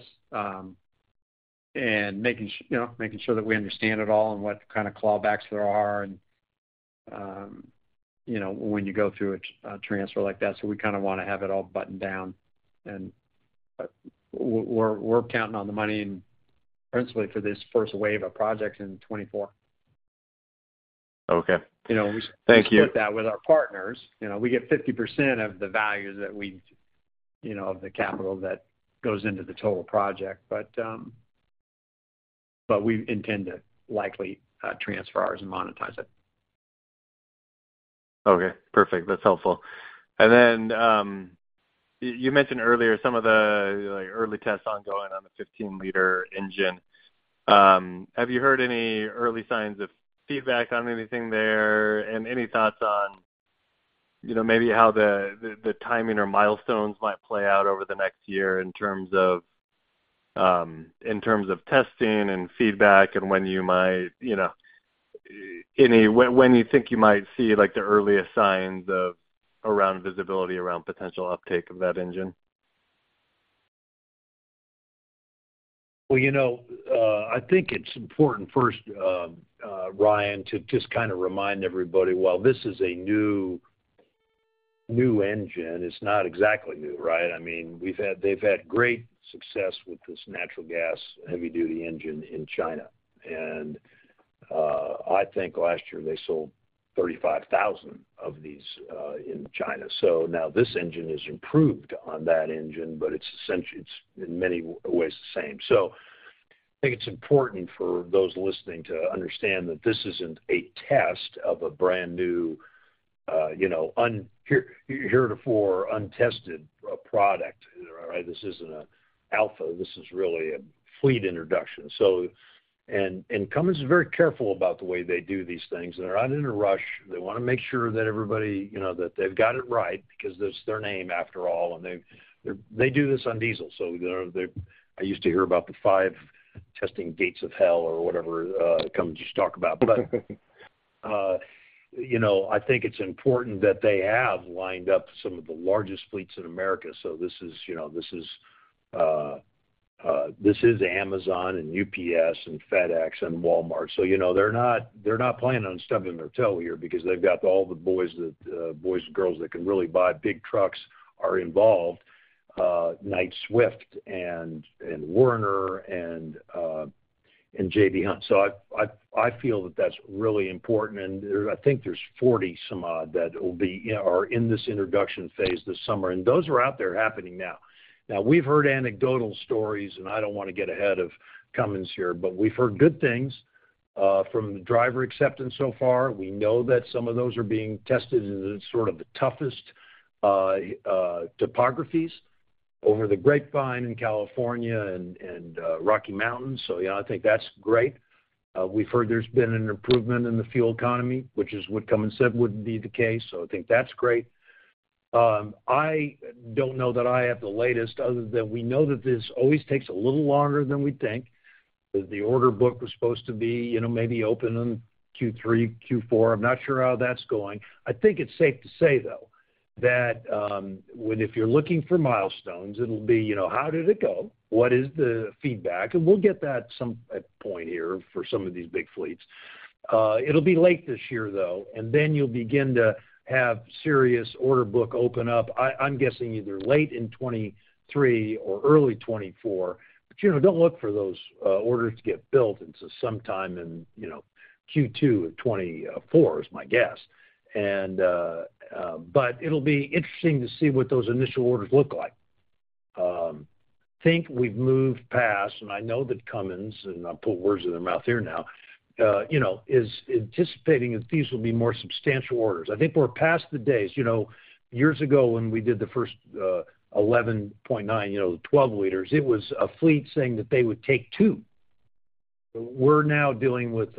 and making, you know, making sure that we understand it all and what kind of clawbacks there are, and, you know, when you go through a transfer like that. We kind of want to have it all buttoned down, and, we're, we're counting on the money and principally for this first wave of projects in 2024. Okay. You know. Thank you. We split that with our partners. You know, we get 50% of the value that we, you know, of the capital that goes into the total project. But we intend to likely, transfer ours and monetize it. Okay, perfect. That's helpful. You mentioned earlier some of the, like, early tests ongoing on the 15-liter engine. Have you heard any early signs of feedback on anything there? Any thoughts on, you know, maybe how the timing or milestones might play out over the next year in terms of testing and feedback, and when you might, you know, when you think you might see, like, the earliest signs of around visibility, around potential uptake of that engine? Well, you know, I think it's important first, Ryan, to just kind of remind everybody, while this is a new, new engine, it's not exactly new, right? I mean, they've had great success with this natural gas heavy-duty engine in China, and I think last year they sold 35,000 of these in China. Now this engine is improved on that engine, but it's essentially, it's in many ways the same. I think it's important for those listening to understand that this isn't a test of a brand-new, you know, heretofore untested, product. All right? This isn't an alpha. This is really a fleet introduction. And Cummins is very careful about the way they do these things, and they're not in a rush. They wanna make sure that everybody, you know, that they've got it right because it's their name after all, and they do this on diesel, so they're, I used to hear about the 5 testing gates of hell or whatever, Cummins used to talk about. You know, I think it's important that they have lined up some of the largest fleets in America. This is, you know, this is Amazon and UPS and FedEx and Walmart. You know, they're not, they're not planning on stubbing their toe here because they've got all the boys that, boys and girls that can really buy big trucks are involved, Knight-Swift and, and Werner and, and J.B. Hunt. I, I, I feel that that's really important, and I think there's 40 some odd that will be, you know, are in this introduction phase this summer, and those are out there happening now. We've heard anecdotal stories, and I don't want to get ahead of Cummins here, but we've heard good things from the driver acceptance so far. We know that some of those are being tested in the sort of the toughest topographies, over the Grapevine in California and, Rocky Mountains. Yeah, I think that's great. We've heard there's been an improvement in the fuel economy, which is what Cummins said would be the case, so I think that's great. I don't know that I have the latest, other than we know that this always takes a little longer than we think. That the order book was supposed to be, you know, maybe open in Q3, Q4. I'm not sure how that's going. I think it's safe to say, though, that if you're looking for milestones, it'll be, you know, how did it go? What is the feedback? We'll get that some, at point here for some of these big fleets. It'll be late this year, though, and then you'll begin to have serious order book open up. I'm guessing either late in 2023 or early 2024. You know, don't look for those orders to get built until sometime in, you know, Q2 of 2024, is my guess. It'll be interesting to see what those initial orders look like. Think we've moved past, and I know that Cummins, and I'll put words in their mouth here now, you know, is anticipating that these will be more substantial orders. I think we're past the days, you know, years ago, when we did the first, 11.9, you know, the 12 liters, it was a fleet saying that they would take two. We're now dealing with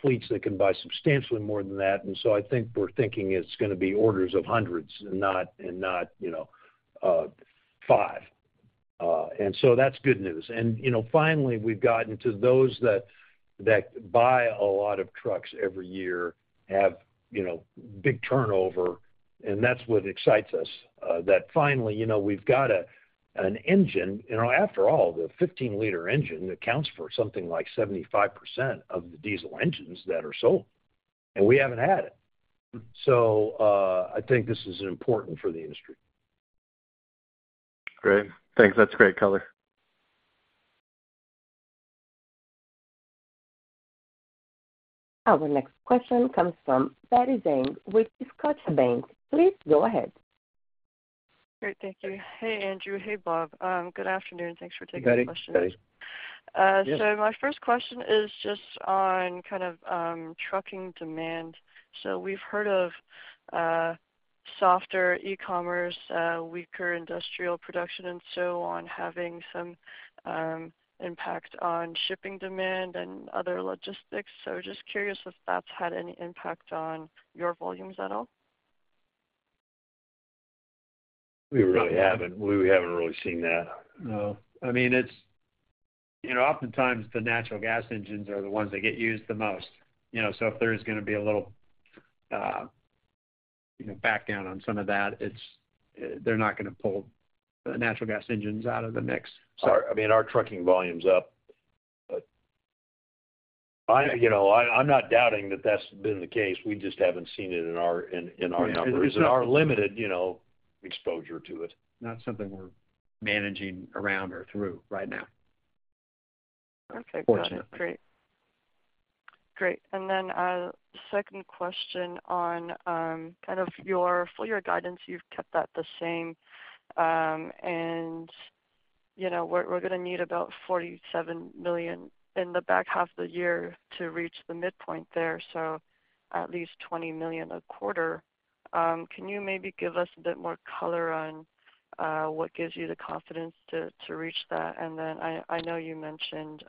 fleets that can buy substantially more than that, so I think we're thinking it's gonna be orders of hundreds and not, and not, you know, five. That's good news. You know, finally, we've gotten to those that buy a lot of trucks every year, have, you know, big turnover, and that's what excites us. That finally, you know, we've got an engine. You know, after all, the 15-liter engine accounts for something like 75% of the diesel engines that are sold, and we haven't had it. I think this is important for the industry. Great. Thanks. That's great color. Our next question comes from Betty Zhang with Scotiabank. Please go ahead. Great. Thank you. Hey, Andrew. Hey, Bob. Good afternoon, thanks for taking our questions. Betty, Betty? Yes. My first question is just on kind of trucking demand. We've heard of softer e-commerce, weaker industrial production, and so on, having some impact on shipping demand and other logistics. Just curious if that's had any impact on your volumes at all? We really haven't. We haven't really seen that. No. I mean, it's, you know, oftentimes the natural gas engines are the ones that get used the most. You know, if there's gonna be a little, you know, back down on some of that, it's, they're not gonna pull the natural gas engines out of the mix. Our, I mean, our trucking volume's up. I, you know, I, I'm not doubting that that's been the case. We just haven't seen it in our, in, in our numbers. Yeah. In our limited, you know, exposure to it. Not something we're managing around or through right now. Okay, got it. Fortunately. Great. Great. Then, second question on, kind of your full year guidance. You've kept that the same. You know, we're gonna need about $47 million in the back half of the year to reach the midpoint there, so at least $20 million a quarter. Can you maybe give us a bit more color on what gives you the confidence to reach that? Then I, I know you mentioned,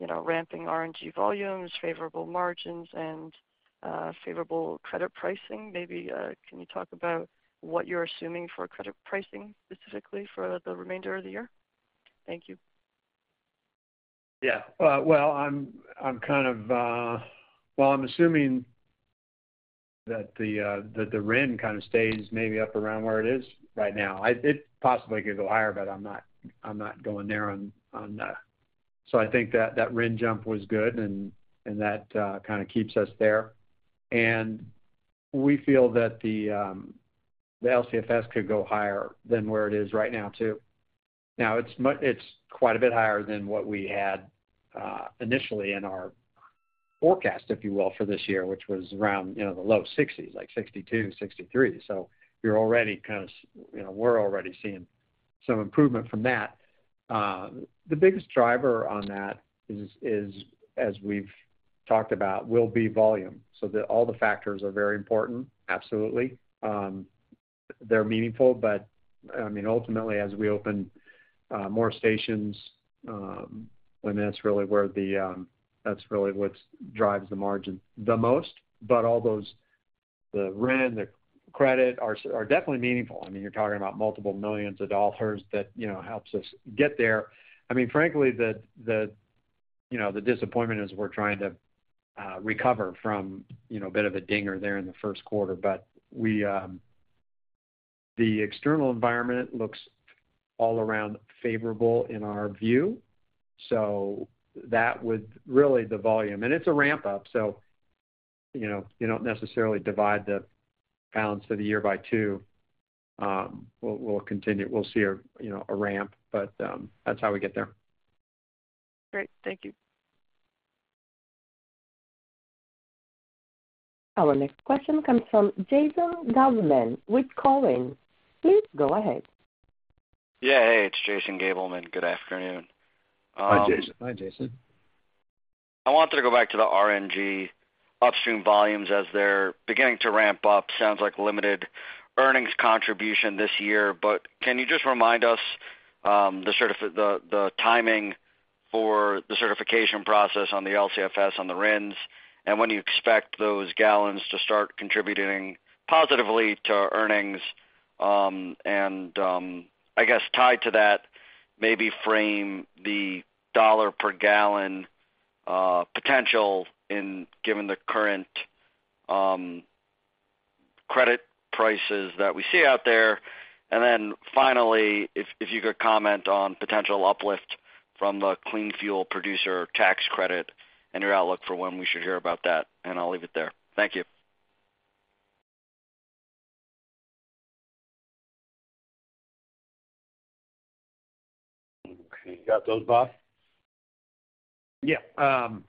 you know, ramping RNG volumes, favorable margins, and favorable credit pricing. Maybe, can you talk about what you're assuming for credit pricing, specifically for the remainder of the year? Thank you. Yeah. Well, I'm, I'm kind of... Well, I'm assuming that the, that the RIN kind of stays maybe up around where it is right now. I- it possibly could go higher, but I'm not, I'm not going there on, on that. I think that that RIN jump was good, and, and that kind of keeps us there. We feel that the, the LCFS could go higher than where it is right now, too. Now, it's mu- it's quite a bit higher than what we had initially in our forecast, if you will, for this year, which was around, you know, the low sixties, like 62, 63. We're already kind of, you know, we're already seeing some improvement from that. The biggest driver on that is, is, as we've talked about, will be volume. All the factors are very important, absolutely. They're meaningful, but, I mean, ultimately, as we open more stations, then that's really where the, that's really what drives the margin the most. All those, the RIN, the credit are definitely meaningful. I mean, you're talking about multiple millions of dollars that, you know, helps us get there. I mean, frankly, the, you know, the disappointment is we're trying to recover from, you know, a bit of a dinger there in the first quarter. The external environment looks all around favorable in our view, so that would really the volume. It's a ramp up, so, you know, you don't necessarily divide the pounds for the year by two. We'll continue, we'll see a, you know, a ramp, but that's how we get there. Great. Thank you. Our next question comes from Jason Gabelman with Cowen. Please go ahead. Yeah. Hey, it's Jason Gabelman. Good afternoon. Hi, Jason. Hi, Jason. I wanted to go back to the RNG upstream volumes as they're beginning to ramp up. Sounds like limited earnings contribution this year, but can you just remind us, the timing for the certification process on the LCFS, on the RINs, and when do you expect those gallons to start contributing positively to earnings? I guess tied to that, maybe frame the dollar-per-gallon potential in given the current credit prices that we see out there. Then finally, if you could comment on potential uplift from the Clean Fuel Production Credit and your outlook for when we should hear about that, and I'll leave it there. Thank you. Okay. You got those, Bob? Yeah, on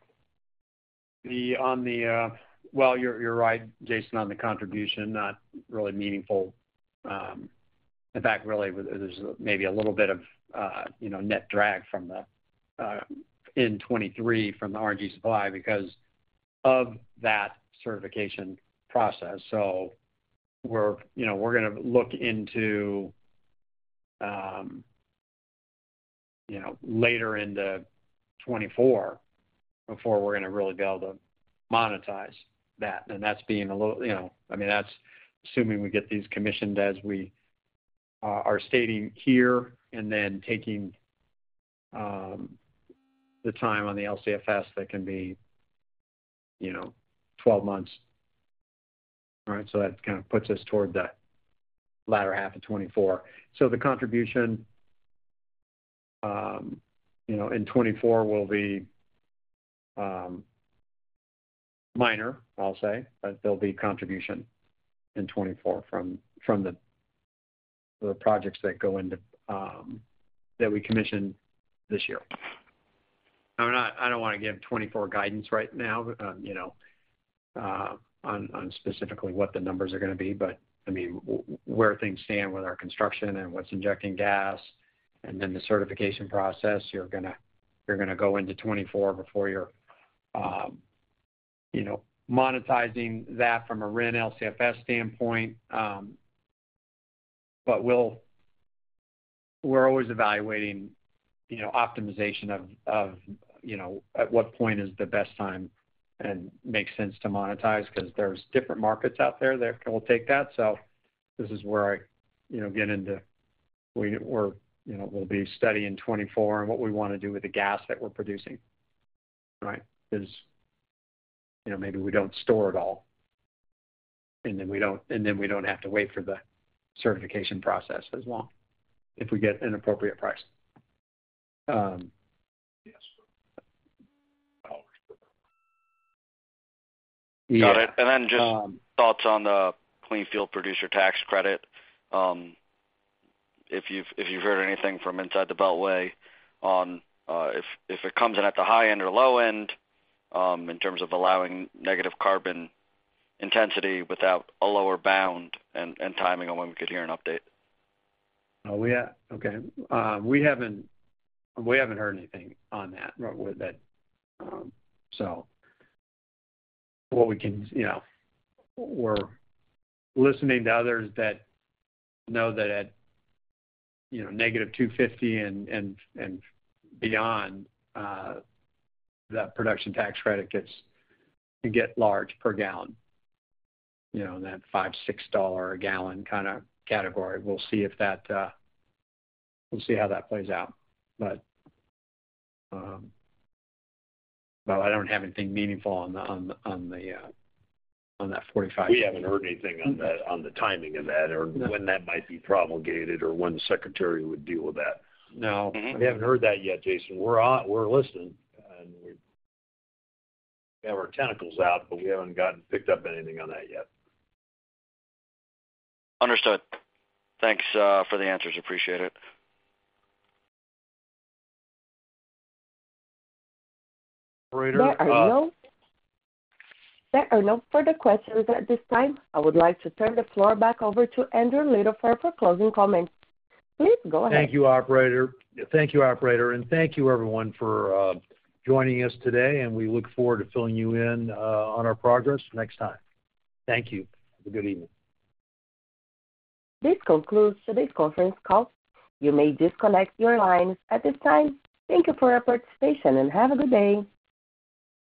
the. Well, you're right, Jason, on the contribution, not really meaningful. In fact, really, there's maybe a little bit of, you know, net drag from the, in 2023 from the RNG supply because of that certification process. We're, you know, we're gonna look into, you know, later into 2024 before we're gonna really be able to monetize that. That's being a little, you know, I mean, that's assuming we get these commissioned as we are, are stating here, and then taking, the time on the LCFS, that can be, you know, 12 months. That kind of puts us toward the latter half of 2024. The contribution, you know, in 2024 will be minor, I'll say, but there'll be contribution in 2024 from the projects that go into that we commission this year. I'm not. I don't want to give 2024 guidance right now, you know, on specifically what the numbers are going to be. I mean, where things stand with our construction and what's injecting gas, and then the certification process, you're gonna go into 2024 before you're, you know, monetizing that from a RIN-LCFS standpoint. But we'll. We're always evaluating, you know, optimization of, you know, at what point is the best time and makes sense to monetize, 'cause there's different markets out there that will take that. This is where I, you know, get into, we're, you know, we'll be steady in 2024 and what we want to do with the gas that we're producing, right? Because, you know, maybe we don't store it all, and then we don't, and then we don't have to wait for the certification process as well, if we get an appropriate price. Yes. Got it. Um- Then just thoughts on the Clean Fuel Production Credit. If you've, if you've heard anything from inside the Beltway on, if, if it comes in at the high end or low end, in terms of allowing negative carbon intensity without a lower bound, and, and timing on when we could hear an update. Yeah. Okay. We haven't heard anything on that, right, with that. You know, we're listening to others that know that at, you know, negative 250 and, and, and beyond, that production tax credit gets, can get large per gallon. You know, in that $5-$6 a gallon kind of category. We'll see if that, we'll see how that plays out. Well, I don't have anything meaningful on the, on the, on the, on that 45- We haven't heard anything on the, on the timing of that or when that might be promulgated or when the secretary would deal with that. No. We haven't heard that yet, Jason. We're listening, and we have our tentacles out, but we haven't gotten picked up anything on that yet. Understood. Thanks for the answers. Appreciate it. Operator. There are no, there are no further questions at this time. I would like to turn the floor back over to Andrew Littlefair for closing comments. Please go ahead. Thank you, Operator. Thank you, Operator. Thank you everyone for joining us today. We look forward to filling you in on our progress next time. Thank you. Have a good evening. This concludes today's conference call. You may disconnect your lines at this time. Thank you for your participation, and have a good day.